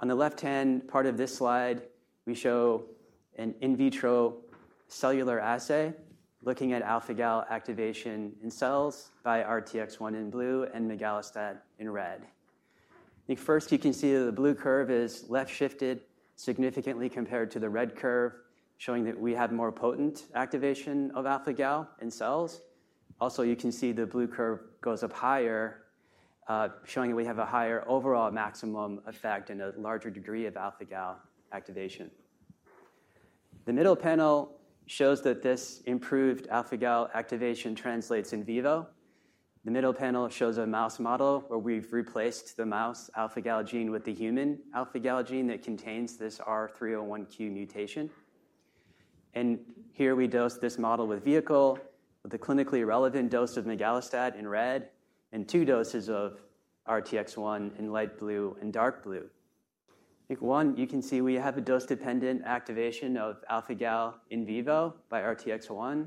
On the left-hand part of this slide, we show an in vitro cellular assay looking at alpha-gal activation in cells by RTX-1 in blue and migalastat in red. I think first you can see that the blue curve is left-shifted significantly compared to the red curve, showing that we have more potent activation of alpha-gal in cells. Also, you can see the blue curve goes up higher, showing that we have a higher overall maximum effect and a larger degree of alpha-gal activation. The middle panel shows that this improved alpha-gal activation translates in vivo. The middle panel shows a mouse model where we've replaced the mouse alpha-gal gene with the human alpha-gal gene that contains this R301Q mutation. And here we dose this model with vehicle, with a clinically relevant dose of migalastat in red, and two doses of RTX-1 in light blue and dark blue. I think one, you can see we have a dose-dependent activation of alpha-gal in vivo by RTX-1.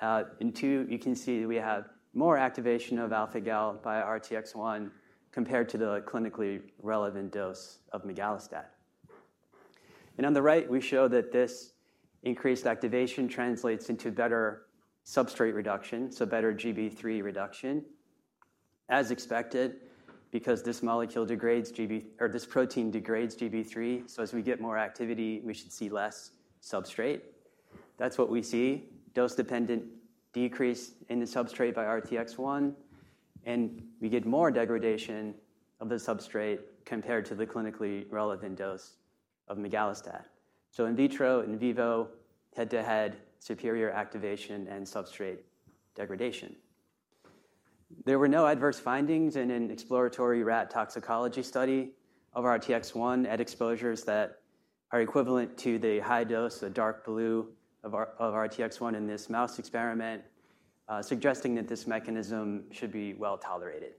And two, you can see that we have more activation of alpha-gal by RTX-1 compared to the clinically relevant dose of migalastat. And on the right, we show that this increased activation translates into better substrate reduction, so better Gb3 reduction, as expected, because this molecule degrades Gb3 or this protein degrades Gb3. So as we get more activity, we should see less substrate. That's what we see, dose-dependent decrease in the substrate by RTX-1, and we get more degradation of the substrate compared to the clinically relevant dose of migalastat. So in vitro, in vivo, head-to-head, superior activation and substrate degradation. There were no adverse findings in an exploratory rat toxicology study of RTX-1 at exposures that are equivalent to the high dose, the dark blue of RTX-1 in this mouse experiment, suggesting that this mechanism should be well tolerated.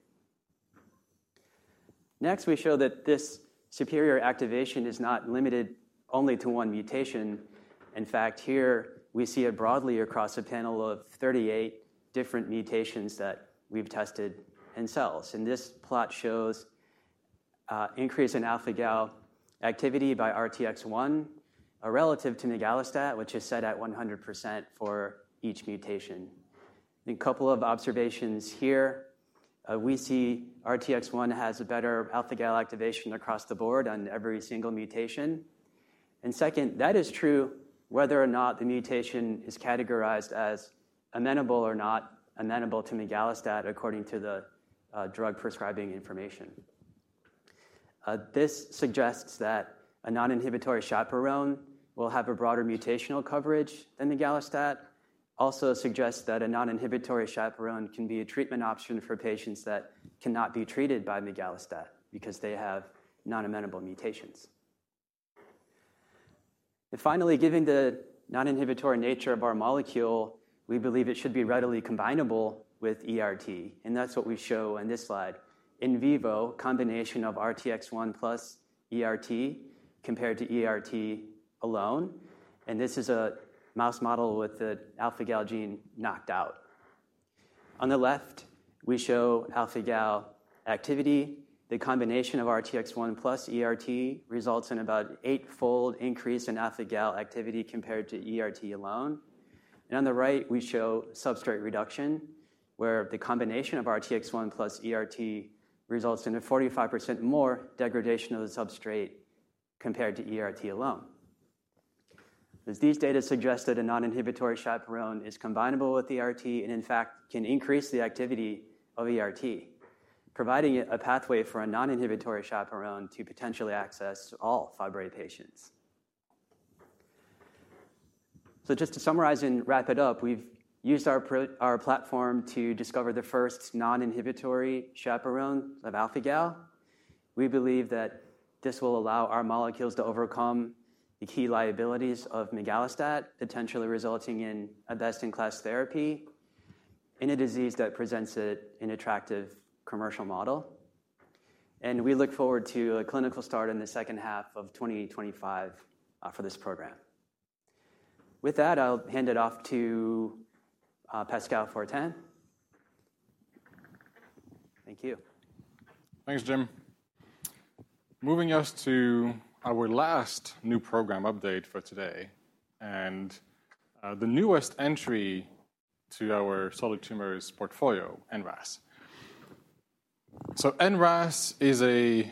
Next, we show that this superior activation is not limited only to one mutation. In fact, here we see it broadly across a panel of 38 different mutations that we've tested in cells, and this plot shows increase in alpha-gal activity by RTX-1 relative to migalastat, which is set at 100% for each mutation. In a couple of observations here, we see RTX-1 has a better alpha-gal activation across the board on every single mutation. And second, that is true whether or not the mutation is categorized as amenable or not amenable to migalastat, according to the drug prescribing information. This suggests that a non-inhibitory chaperone will have a broader mutational coverage than migalastat. Also suggests that a non-inhibitory chaperone can be a treatment option for patients that cannot be treated by migalastat because they have non-amenable mutations. And finally, given the non-inhibitory nature of our molecule, we believe it should be readily combinable with ERT, and that's what we show in this slide. In vivo, combination of RTX-1 plus ERT compared to ERT alone, and this is a mouse model with the alpha-gal gene knocked out. On the left, we show alpha-gal activity. The combination of RTX-1 plus ERT results in about eight-fold increase in alpha-gal activity compared to ERT alone. And on the right, we show substrate reduction, where the combination of RTX-1 plus ERT results in a 45% more degradation of the substrate compared to ERT alone. As these data suggest that a non-inhibitory chaperone is combinable with ERT and in fact can increase the activity of ERT, providing a pathway for a non-inhibitory chaperone to potentially access all Fabry patients. So just to summarize and wrap it up, we've used our platform to discover the first non-inhibitory chaperone of alpha-gal. We believe that this will allow our molecules to overcome the key liabilities of migalastat, potentially resulting in a best-in-class therapy in a disease that presents an attractive commercial model. We look forward to a clinical start in the second half of 2025 for this program. With that, I'll hand it off to Pascal Fortin. Thank you. Thanks, Jim. Moving us to our last new program update for today and the newest entry to our solid tumors portfolio, NRAS. So NRAS is a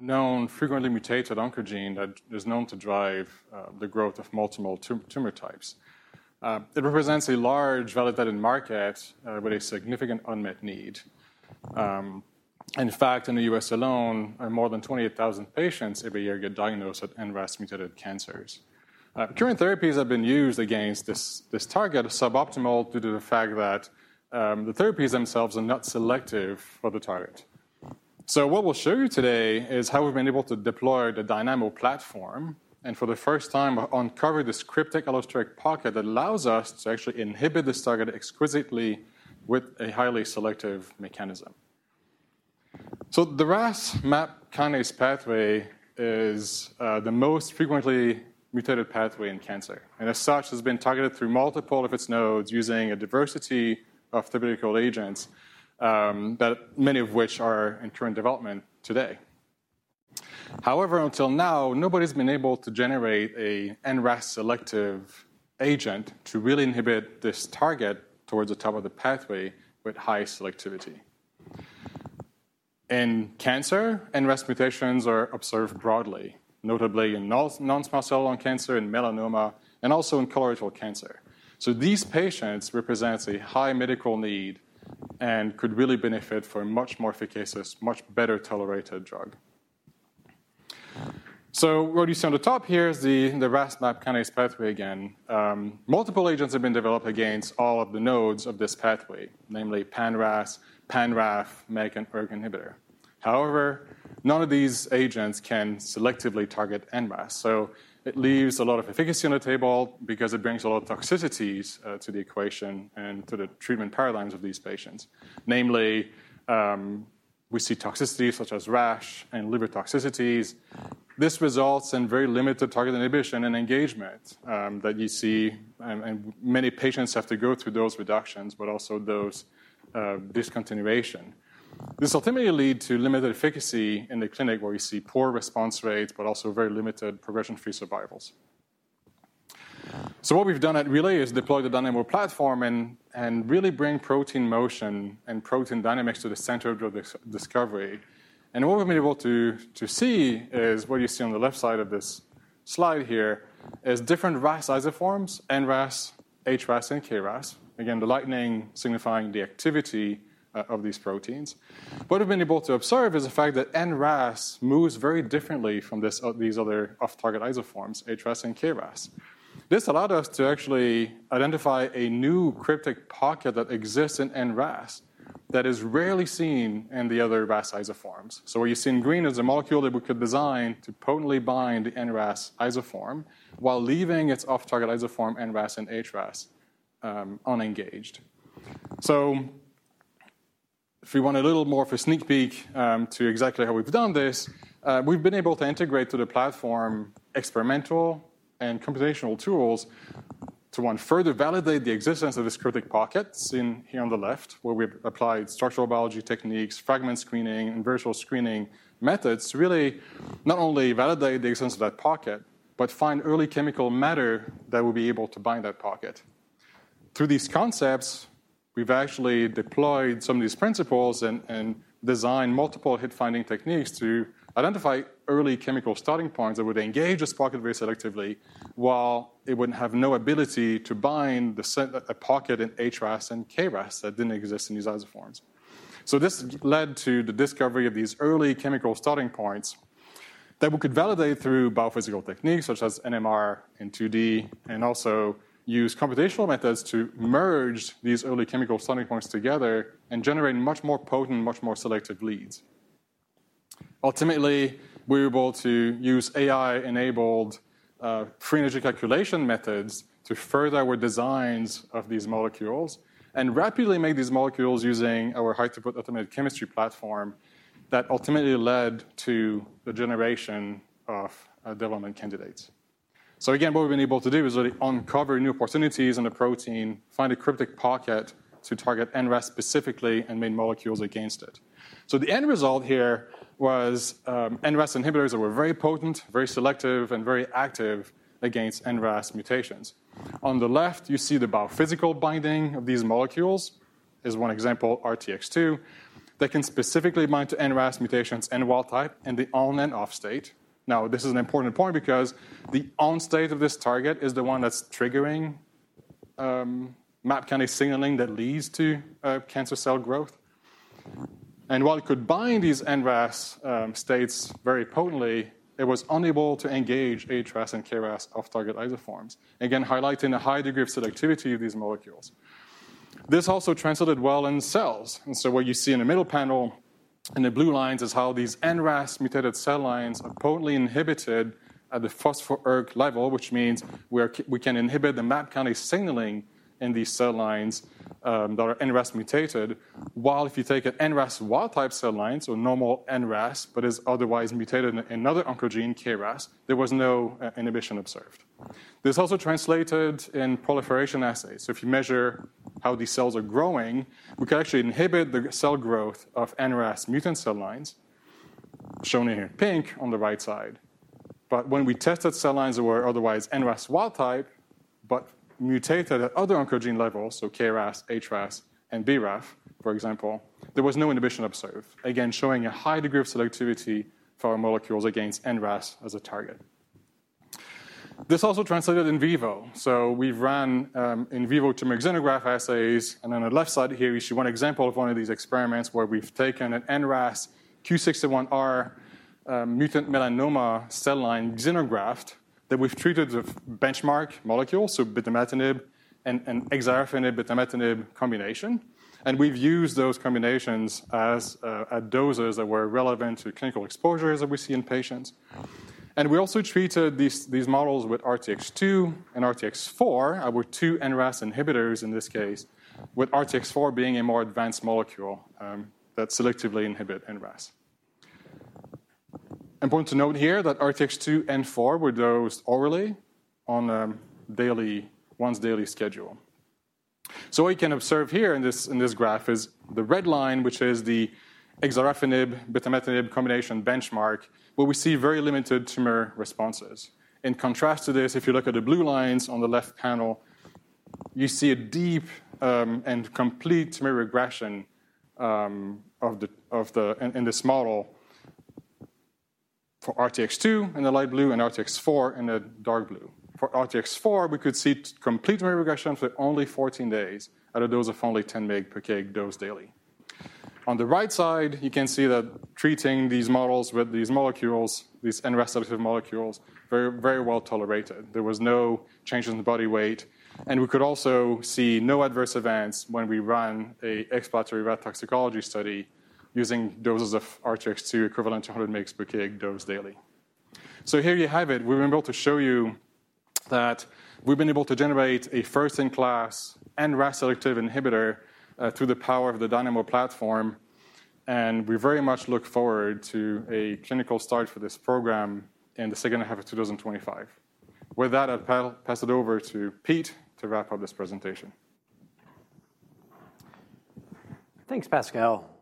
known frequently mutated oncogene that is known to drive the growth of multiple tumor types. It represents a large validated market with a significant unmet need. In fact, in the U.S. alone, more than 28,000 patients every year get diagnosed with NRAS mutated cancers. Current therapies have been used against this target are suboptimal due to the fact that the therapies themselves are not selective for the target. So what we'll show you today is how we've been able to deploy the Dynamo platform, and for the first time, uncover this cryptic allosteric pocket that allows us to actually inhibit this target exquisitely with a highly selective mechanism. So the RAS MAP kinase pathway is the most frequently mutated pathway in cancer, and as such, has been targeted through multiple of its nodes using a diversity of therapeutic agents that many of which are in current development today. However, until now, nobody's been able to generate a NRAS selective agent to really inhibit this target towards the top of the pathway with high selectivity. In cancer, NRAS mutations are observed broadly, notably in non-small cell lung cancer, in melanoma, and also in colorectal cancer. So these patients represents a high medical need and could really benefit from a much more efficacious, much better-tolerated drug. So what you see on the top here is the RAS MAP kinase pathway again. Multiple agents have been developed against all of the nodes of this pathway, namely Pan-RAS, Pan-RAF, MEK, and ERK inhibitor. However, none of these agents can selectively target NRAS, so it leaves a lot of efficacy on the table because it brings a lot of toxicities to the equation and to the treatment paradigms of these patients. Namely, we see toxicities such as rash and liver toxicities. This results in very limited target inhibition and engagement that you see, and many patients have to go through those reductions, but also those discontinuation. This ultimately lead to limited efficacy in the clinic, where we see poor response rates, but also very limited progression-free survivals. So what we've done at Relay is deploy the Dynamo platform and really bring protein motion and protein dynamics to the center of drug discovery. And what we've been able to see is what you see on the left side of this slide here: different RAS isoforms, NRAS, HRAS, and KRAS. Again, the lightning signifying the activity of these proteins. What we've been able to observe is the fact that NRAS moves very differently from this, these other off-target isoforms, HRAS and KRAS. This allowed us to actually identify a new cryptic pocket that exists in NRAS that is rarely seen in the other RAS isoforms. So what you see in green is a molecule that we could design to potently bind the NRAS isoform while leaving its off-target isoform, NRAS and HRAS, unengaged. So if you want a little more of a sneak peek, to exactly how we've done this, we've been able to integrate to the platform experimental and computational tools to, one, further validate the existence of this cryptic pocket, seen here on the left, where we've applied structural biology techniques, fragment screening, and virtual screening methods to really not only validate the existence of that pocket, but find early chemical matter that will be able to bind that pocket. Through these concepts, we've actually deployed some of these principles and designed multiple hit-finding techniques to identify early chemical starting points that would engage this pocket very selectively, while it wouldn't have no ability to bind the same pocket in HRAS and KRAS that didn't exist in these isoforms. So this led to the discovery of these early chemical starting points that we could validate through biophysical techniques, such as NMR and 2D, and also use computational methods to merge these early chemical starting points together and generate much more potent, much more selective leads. Ultimately, we were able to use AI-enabled free energy calculation methods to further our designs of these molecules and rapidly make these molecules using our high-throughput automated chemistry platform that ultimately led to the generation of development candidates. So again, what we've been able to do is really uncover new opportunities in the protein, find a cryptic pocket to target NRAS specifically, and make molecules against it. So the end result here was NRAS inhibitors that were very potent, very selective, and very active against NRAS mutations. On the left, you see the biophysical binding of these molecules. Here's one example, RTX-2, that can specifically bind to NRAS mutations, N wild type, in the on and off state. Now, this is an important point because the on state of this target is the one that's triggering, MAP kinase signaling that leads to, cancer cell growth. And while it could bind these NRAS, states very potently, it was unable to engage HRAS and KRAS off-target isoforms. Again, highlighting the high degree of selectivity of these molecules. This also translated well in cells, and so what you see in the middle panel, in the blue lines, is how these NRAS mutated cell lines are potently inhibited at the phospho-ERK level, which means we can inhibit the MAP kinase signaling in these cell lines, that are NRAS mutated, while if you take an NRAS wild-type cell line, so normal NRAS, but is otherwise mutated in another oncogene, KRAS, there was no inhibition observed. This also translated in proliferation assays. So if you measure how these cells are growing, we can actually inhibit the cell growth of NRAS mutant cell lines, shown in pink on the right side. But when we tested cell lines that were otherwise NRAS wild type, but mutated at other oncogene levels, so KRAS, HRAS, and BRAF, for example, there was no inhibition observed. Again, showing a high degree of selectivity for our molecules against NRAS as a target. This also translated in vivo. So we've run in vivo tumor xenograft assays, and on the left side here, you see one example of one of these experiments where we've taken an NRAS Q61R mutant melanoma cell line xenograft that we've treated with benchmark molecules, so binimetinib and, and encorafenib, binimetinib combination. And we've used those combinations as at doses that were relevant to clinical exposures that we see in patients. And we also treated these, these models with RTX-2 and RTX-4 were two NRAS inhibitors in this case, with RTX-4 being a more advanced molecule that selectively inhibit NRAS. Important to note here that RTX-2 and 4 were dosed orally on a daily once daily schedule. So what you can observe here in this graph is the red line, which is the encorafenib, binimetinib combination benchmark, where we see very limited tumor responses. In contrast to this, if you look at the blue lines on the left panel, you see a deep and complete tumor regression in this model for RTX-2 in the light blue and RTX-4 in the dark blue. For RTX-4, we could see complete tumor regression for only 14 days at a dose of only 10 mg per kg dose daily. On the right side, you can see that treating these models with these molecules, these NRAS selective molecules, very, very well tolerated. There was no change in the body weight, and we could also see no adverse events when we ran an exploratory rat toxicology study using doses of RTX-2 equivalent to 100 mg per kg dose daily. So here you have it. We've been able to show you that we've been able to generate a first-in-class NRAS selective inhibitor through the power of the Dynamo platform, and we very much look forward to a clinical start for this program in the second half of 2025. With that, I'll pass it over to Pete to wrap up this presentation. Thanks, Pascal,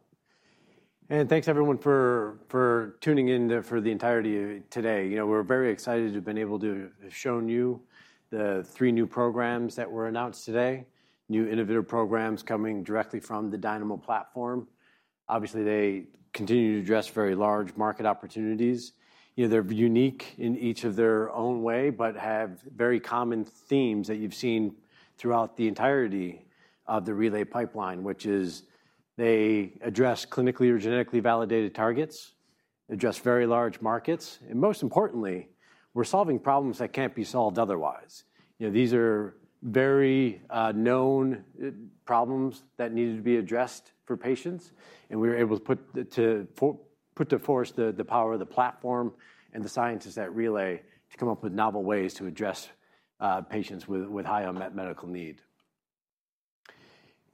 and thanks, everyone, for tuning in for the entirety today. You know, we're very excited to have been able to have shown you the three new programs that were announced today, new innovative programs coming directly from the Dynamo platform. Obviously, they continue to address very large market opportunities. You know, they're unique in each of their own way, but have very common themes that you've seen throughout the entirety of the Relay pipeline, which is they address clinically or genetically validated targets, address very large markets, and most importantly, we're solving problems that can't be solved otherwise. You know, these are very known problems that needed to be addressed for patients, and we were able to put the power of the platform and the scientists at Relay to come up with novel ways to address patients with high unmet medical need.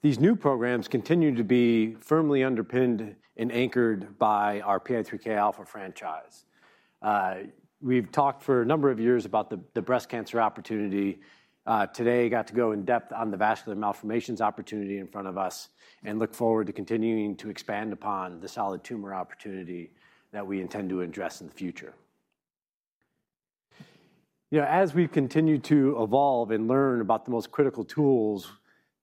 These new programs continue to be firmly underpinned and anchored by our PI3Kα franchise. We've talked for a number of years about the breast cancer opportunity. Today, got to go in-depth on the vascular malformations opportunity in front of us and look forward to continuing to expand upon the solid tumor opportunity that we intend to address in the future. You know, as we continue to evolve and learn about the most critical tools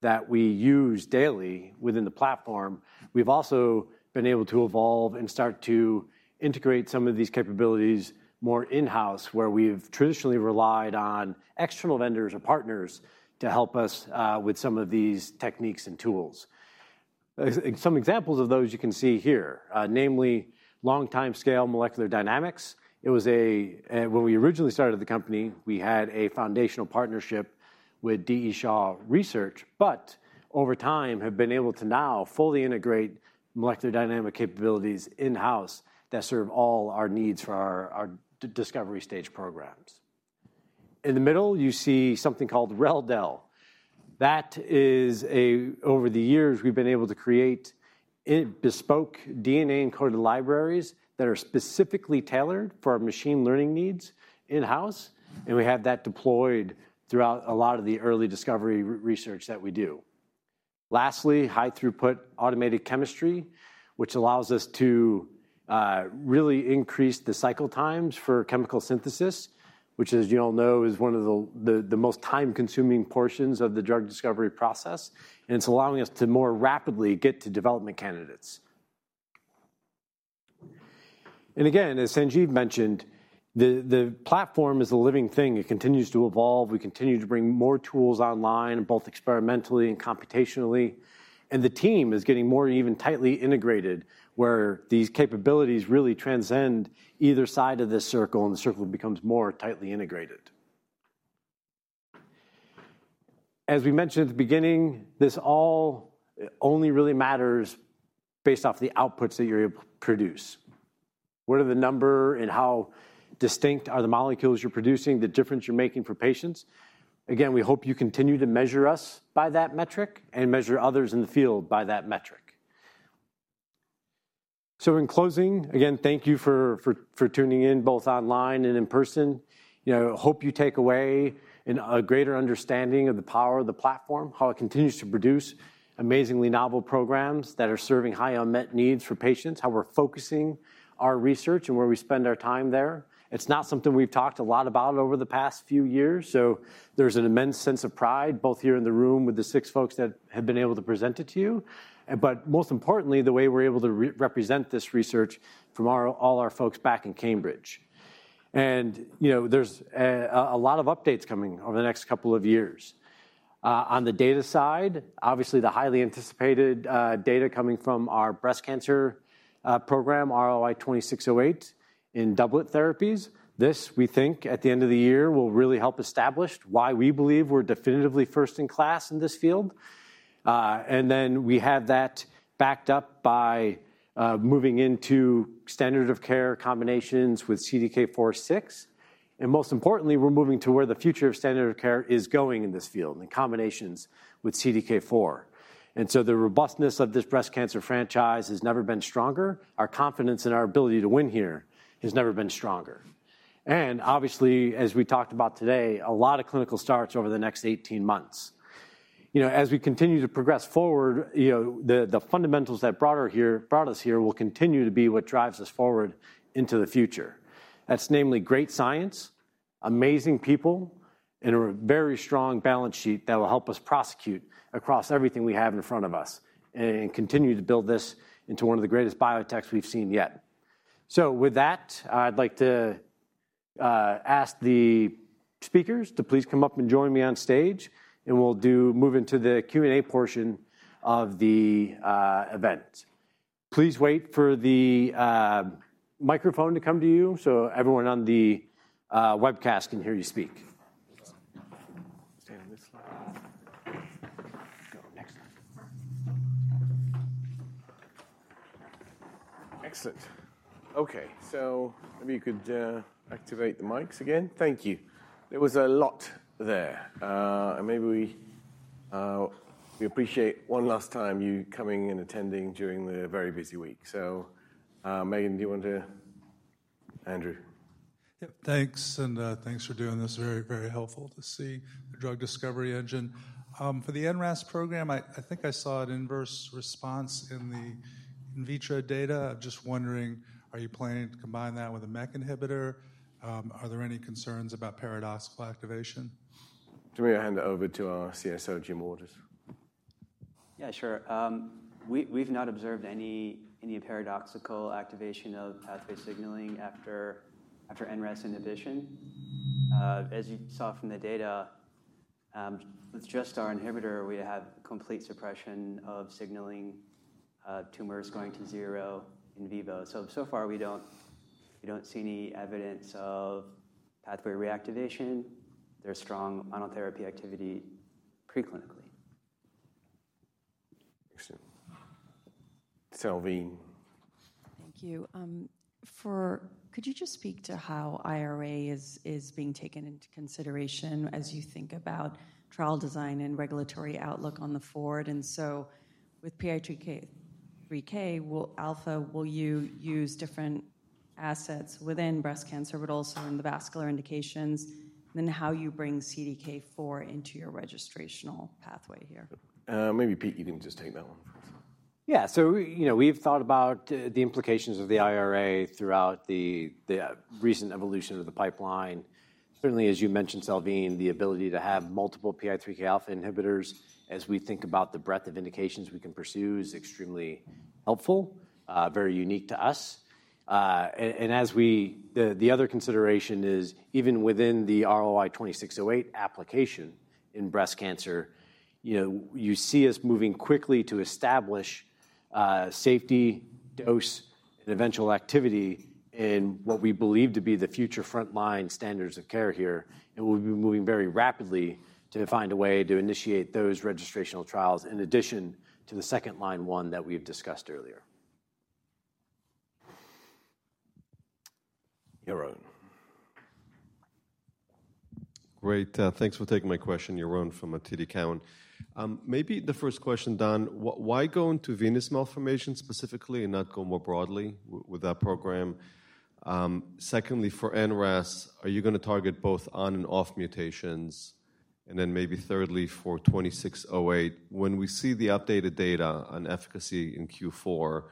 that we use daily within the platform, we've also been able to evolve and start to integrate some of these capabilities more in-house, where we've traditionally relied on external vendors or partners to help us with some of these techniques and tools. Some examples of those you can see here, namely long timescale molecular dynamics. It was when we originally started the company, we had a foundational partnership with D. E. Shaw Research, but over time, have been able to now fully integrate molecular dynamics capabilities in-house that serve all our needs for our drug-discovery stage programs. In the middle, you see something called REL-DEL. That is a... Over the years, we've been able to create in bespoke DNA-encoded libraries that are specifically tailored for our machine learning needs in-house, and we have that deployed throughout a lot of the early discovery research that we do. Lastly, high-throughput automated chemistry, which allows us to really increase the cycle times for chemical synthesis, which, as you all know, is one of the most time-consuming portions of the drug discovery process, and it's allowing us to more rapidly get to development candidates. And again, as Sanjiv mentioned, the platform is a living thing. It continues to evolve. We continue to bring more tools online, both experimentally and computationally, and the team is getting more even tightly integrated, where these capabilities really transcend either side of this circle, and the circle becomes more tightly integrated. As we mentioned at the beginning, this all only really matters based off the outputs that you're able to produce. What are the number and how distinct are the molecules you're producing, the difference you're making for patients? Again, we hope you continue to measure us by that metric and measure others in the field by that metric. So in closing, again, thank you for tuning in, both online and in person. You know, hope you take away a greater understanding of the power of the platform, how it continues to produce amazingly novel programs that are serving high unmet needs for patients, how we're focusing our research and where we spend our time there. It's not something we've talked a lot about over the past few years, so there's an immense sense of pride, both here in the room with the six folks that have been able to present it to you, but most importantly, the way we're able to represent this research from all our folks back in Cambridge. You know, there's a lot of updates coming over the next couple of years. On the data side, obviously, the highly anticipated data coming from our breast cancer program, RLY-2608, in doublet therapies. This, we think, at the end of the year, will really help establish why we believe we're definitively first in class in this field. And then we have that backed up by, moving into standard of care combinations with CDK4/6, and most importantly, we're moving to where the future of standard of care is going in this field, in combinations with CDK4. And so the robustness of this breast cancer franchise has never been stronger. Our confidence in our ability to win here has never been stronger. And obviously, as we talked about today, a lot of clinical starts over the next 18 months. You know, as we continue to progress forward, you know, the, the fundamentals that brought her here—brought us here will continue to be what drives us forward into the future. That's namely great science, amazing people, and a very strong balance sheet that will help us prosecute across everything we have in front of us, and continue to build this into one of the greatest biotechs we've seen yet. So with that, I'd like to ask the speakers to please come up and join me on stage, and we'll move into the Q&A portion of the event. Please wait for the microphone to come to you so everyone on the webcast can hear you speak. Stand on this slide. Go, next slide. Excellent. Okay, so maybe you could activate the mics again. Thank you. There was a lot there. And maybe we appreciate one last time you coming and attending during the very busy week. So, Megan, do you want to... Andrew? Yep, thanks, and thanks for doing this. Very, very helpful to see the drug discovery engine. For the NRAS program, I think I saw an inverse response in the in vitro data. Just wondering, are you planning to combine that with a MEK inhibitor? Are there any concerns about paradoxical activation? Do you want me to hand it over to our CSO, Jim Waters? Yeah, sure. We've not observed any paradoxical activation of pathway signaling after NRAS inhibition. As you saw from the data, with just our inhibitor, we have complete suppression of signaling, tumors going to zero in vivo. So far, we don't see any evidence of pathway reactivation. There's strong monotherapy activity preclinically. Excellent. Salveen? Thank you. Could you just speak to how IRA is being taken into consideration as you think about trial design and regulatory outlook on the forward? And so with PI3Kα, will you use different assets within breast cancer, but also in the vascular indications? Then how you bring CDK4 into your registrational pathway here. Maybe, Peter, you can just take that one. Yeah. So, you know, we've thought about the implications of the IRA throughout the recent evolution of the pipeline. Certainly, as you mentioned, Salveen, the ability to have multiple PI3Kα inhibitors as we think about the breadth of indications we can pursue is extremely helpful, very unique to us. And the other consideration is even within the RLY-2608 application in breast cancer, you know, you see us moving quickly to establish safety, dose, and eventual activity in what we believe to be the future frontline standards of care here, and we'll be moving very rapidly to find a way to initiate those registrational trials, in addition to the second-line one that we've discussed earlier. Yaron. Great, thanks for taking my question, Yaron from TD Cowen. Maybe the first question, Don, why go into venous malformation specifically and not go more broadly with that program? Secondly, for NRAS, are you gonna target both on and off mutations? And then maybe thirdly, for RLY-2608, when we see the updated data on efficacy in Q4,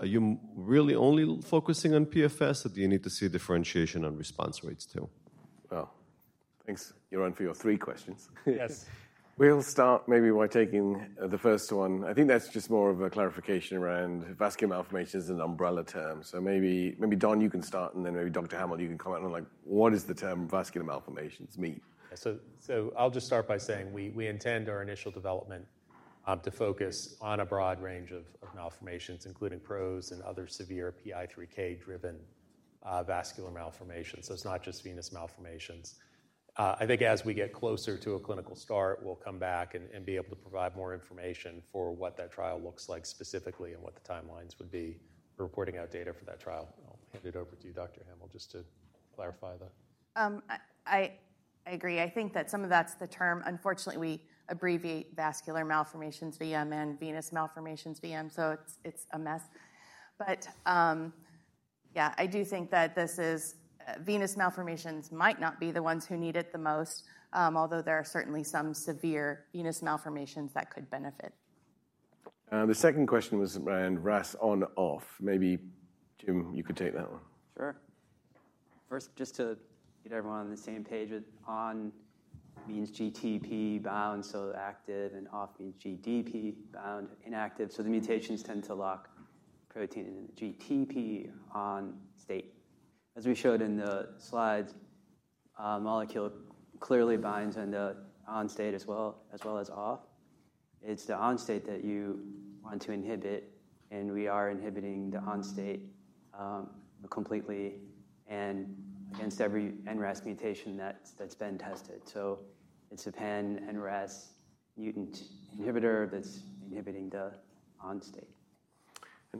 are you really only focusing on PFS, or do you need to see differentiation on response rates, too? Well, thanks, Yaron, for your three questions. Yes. We'll start maybe by taking the first one. I think that's just more of a clarification around vascular malformation is an umbrella term. So maybe, maybe, Don, you can start, and then maybe Dr. Hammill, you can comment on, like, what does the term vascular malformations mean? I'll just start by saying we intend our initial development to focus on a broad range of malformations, including PROS and other severe PI3K-driven vascular malformations. So it's not just venous malformations. I think as we get closer to a clinical start, we'll come back and be able to provide more information for what that trial looks like specifically and what the timelines would be for reporting out data for that trial. I'll hand it over to you, Dr. Hammill, just to clarify that. I agree. I think that some of that's the term. Unfortunately, we abbreviate vascular malformations, VM, and venous malformations, VM, so it's a mess. But I do think that this is venous malformations might not be the ones who need it the most, although there are certainly some severe venous malformations that could benefit. The second question was around RAS on, off. Maybe, Jim, you could take that one. Sure. First, just to get everyone on the same page with on means GTP bound, so active and off means GDP bound, inactive. So the mutations tend to lock protein in the GTP on state. As we showed in the slides, a molecule clearly binds in the on state as well, as well as off. It's the on state that you want to inhibit, and we are inhibiting the on state completely and against every NRAS mutation that's been tested. So it's a pan-NRAS mutant inhibitor that's inhibiting the on state.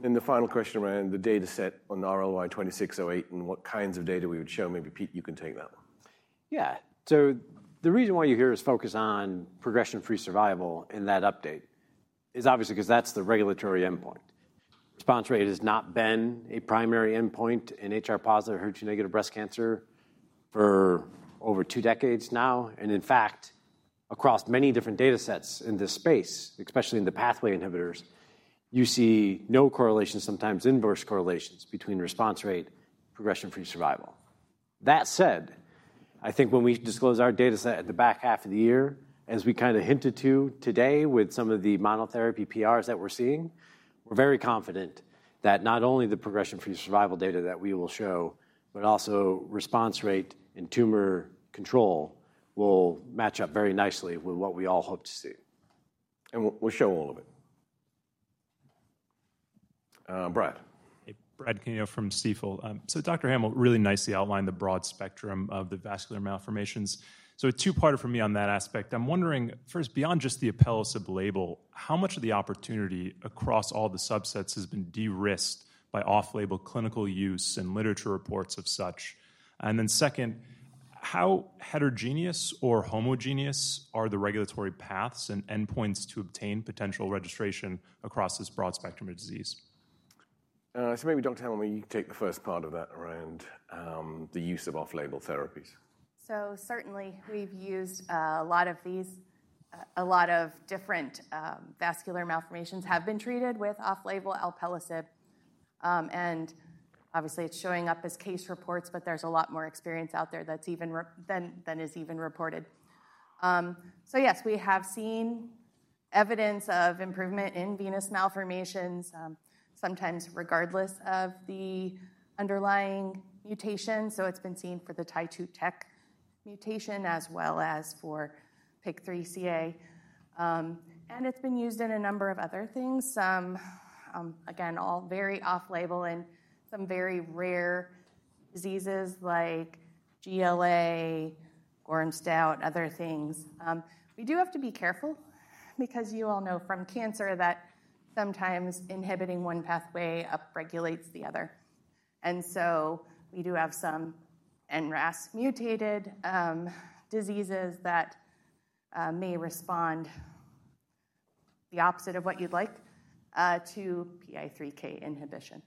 Then the final question around the data set on the RLY-2608 and what kinds of data we would show, maybe Peter, you can take that one. Yeah. So the reason why you hear us focus on progression-free survival in that update is obviously because that's the regulatory endpoint. Response rate has not been a primary endpoint in HR-positive, HER2-negative breast cancer for over two decades now, and in fact, across many different data sets in this space, especially in the pathway inhibitors, you see no correlation, sometimes inverse correlations between response rate, progression-free survival. That said, I think when we disclose our data set at the back half of the year, as we kind of hinted to today with some of the monotherapy PRs that we're seeing, we're very confident that not only the progression-free survival data that we will show, but also response rate and tumor control will match up very nicely with what we all hope to see. We'll show all of it. Brad? Hey, Brad Canino from Stifel. Dr. Hammill really nicely outlined the broad spectrum of the vascular malformations. A two-parter for me on that aspect. I'm wondering, first, beyond just the alpelisib label, how much of the opportunity across all the subsets has been de-risked by off-label clinical use and literature reports of such? And then second, how heterogeneous or homogeneous are the regulatory paths and endpoints to obtain potential registration across this broad spectrum of disease? Maybe Dr. Hammill, maybe you can take the first part of that around the use of off-label therapies. So certainly, we've used a lot of these, a lot of different vascular malformations have been treated with off-label alpelisib, and obviously, it's showing up as case reports, but there's a lot more experience out there that's even more than is even reported. So yes, we have seen evidence of improvement in venous malformations, sometimes regardless of the underlying mutation. So it's been seen for the TIE2/TEK mutation, as well as for PIK3CA. And it's been used in a number of other things, some again, all very off-label and some very rare diseases like GLA, Gorham-Stout, other things. We do have to be careful because you all know from cancer that sometimes inhibiting one pathway upregulates the other. And so we do have some NRAS mutated diseases that may respond the opposite of what you'd like to PI3K inhibition.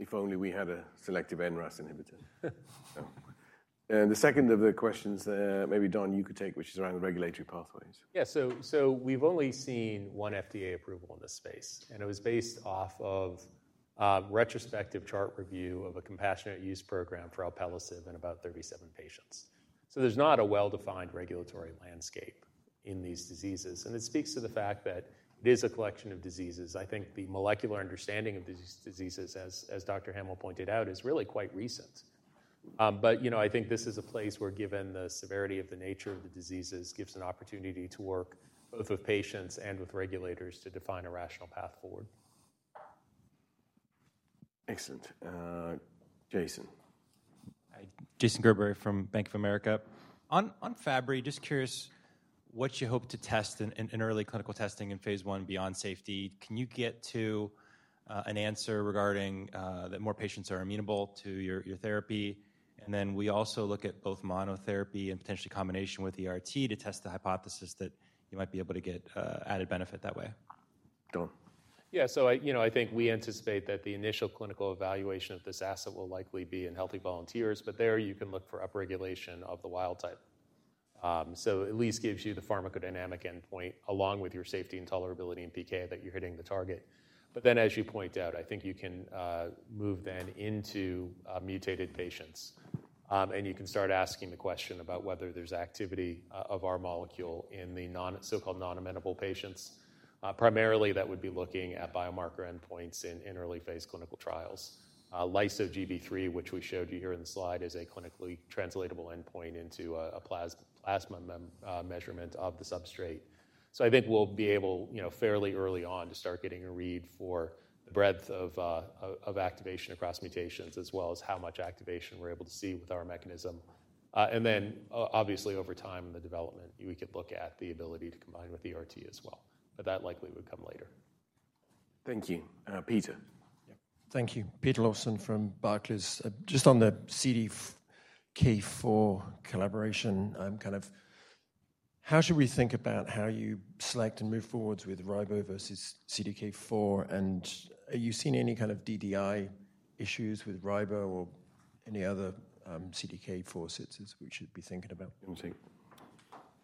If only we had a selective NRAS inhibitor. The second of the questions, maybe Don, you could take, which is around the regulatory pathways. Yeah, so we've only seen one FDA approval in this space, and it was based off of a retrospective chart review of a compassionate use program for alpelisib in about 37 patients. So there's not a well-defined regulatory landscape in these diseases, and it speaks to the fact that it is a collection of diseases. I think the molecular understanding of these diseases, as Dr. Hammill pointed out, is really quite recent. But, you know, I think this is a place where, given the severity of the nature of the diseases, gives an opportunity to work both with patients and with regulators to define a rational path forward. Excellent. Jason. Hi, Jason Gerberry from Bank of America. On Fabry, just curious what you hope to test in early clinical testing in phase I beyond safety. Can you get to an answer regarding that more patients are amenable to your therapy? And then we also look at both monotherapy and potentially combination with ERT to test the hypothesis that you might be able to get added benefit that way. Don. Yeah, so you know, I think we anticipate that the initial clinical evaluation of this asset will likely be in healthy volunteers, but there you can look for upregulation of the wild type. So at least gives you the pharmacodynamic endpoint, along with your safety and tolerability and PK, that you're hitting the target. But then, as you point out, I think you can move then into mutated patients, and you can start asking the question about whether there's activity of our molecule in the so-called non-amenable patients. Primarily, that would be looking at biomarker endpoints in early-phase clinical trials. Lyso-Gb3, which we showed you here in the slide, is a clinically translatable endpoint into a plasma measurement of the substrate. So I think we'll be able, you know, fairly early on to start getting a read for the breadth of, of, of activation across mutations, as well as how much activation we're able to see with our mechanism. And then obviously, over time, the development, we could look at the ability to combine with ERT as well, but that likely would come later. Thank you. Peter? Yeah. Thank you. Peter Lawson from Barclays. Just on the CDK4 collaboration, kind of how should we think about how you select and move forward with Ribo versus CDK4? And are you seeing any kind of DDI issues with Ribo or any other CDK4 sets as we should be thinking about?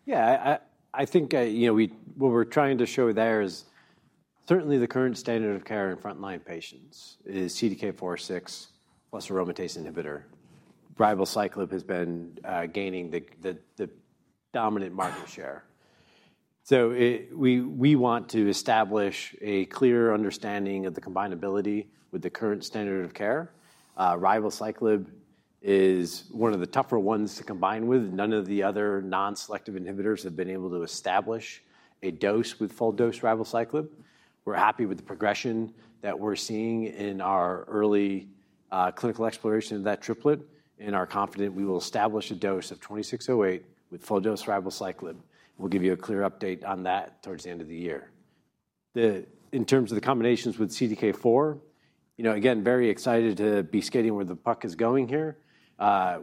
Yeah, I think, you know, what we're trying to show there is certainly the current standard of care in frontline patients is CDK4/6 plus aromatase inhibitor. Ribociclib has been gaining the dominant market share. So we want to establish a clear understanding of the combinability with the current standard of care. Ribociclib is one of the tougher ones to combine with. None of the other non-selective inhibitors have been able to establish a dose with full-dose Ribociclib. We're happy with the progression that we're seeing in our early clinical exploration of that triplet, and are confident we will establish a dose of 2608 with full-dose Ribociclib. We'll give you a clear update on that towards the end of the year. In terms of the combinations with CDK4, you know, again, very excited to be skating where the puck is going here.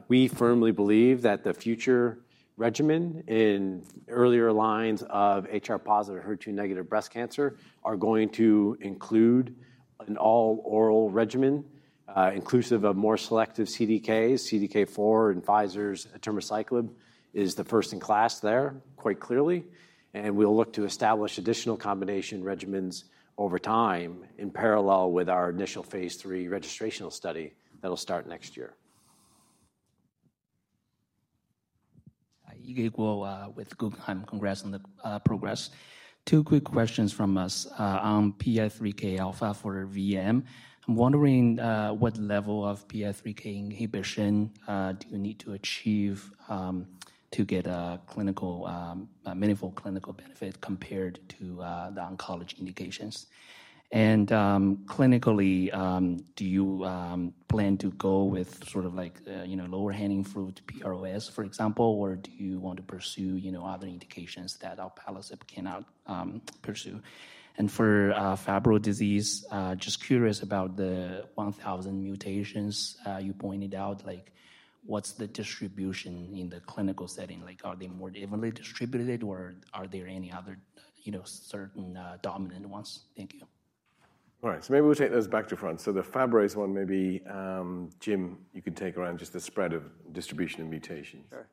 We firmly believe that the future regimen in earlier lines of HR-positive, HER2-negative breast cancer are going to include an all-oral regimen, inclusive of more selective CDKs. CDK4 and Pfizer's atirmociclib is the first in class there, quite clearly, and we'll look to establish additional combination regimens over time in parallel with our initial phase III registrational study that'll start next year. Hi, Yige Guo, with Guggenheim. Congrats on the progress. 2 quick questions from us. On PI3Kα for VM, I'm wondering what level of PI3K inhibition do you need to achieve to get a meaningful clinical benefit compared to the oncology indications? And, clinically, do you plan to go with sort of like, you know, lower-hanging fruit, PROS, for example, or do you want to pursue, you know, other indications that alpelisib cannot pursue? And for Fabry disease, just curious about the 1,000 mutations you pointed out. Like, what's the distribution in the clinical setting? Like, are they more evenly distributed, or are there any other, you know, certain dominant ones? Thank you. All right, so maybe we'll take those back to front. So the Fabry's one, maybe, Jim, you could take around just the spread of distribution of mutations. Sure.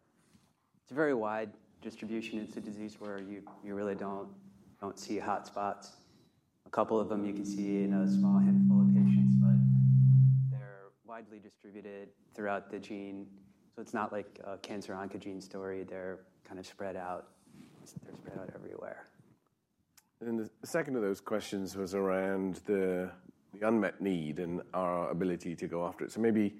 It's a very wide distribution. It's a disease where you really don't see hotspots. A couple of them, you can see in a small handful of patients, but they're widely distributed throughout the gene. So it's not like a cancer oncogene story. They're kind of spread out. They're spread out everywhere. The second of those questions was around the unmet need and our ability to go after it. So maybe-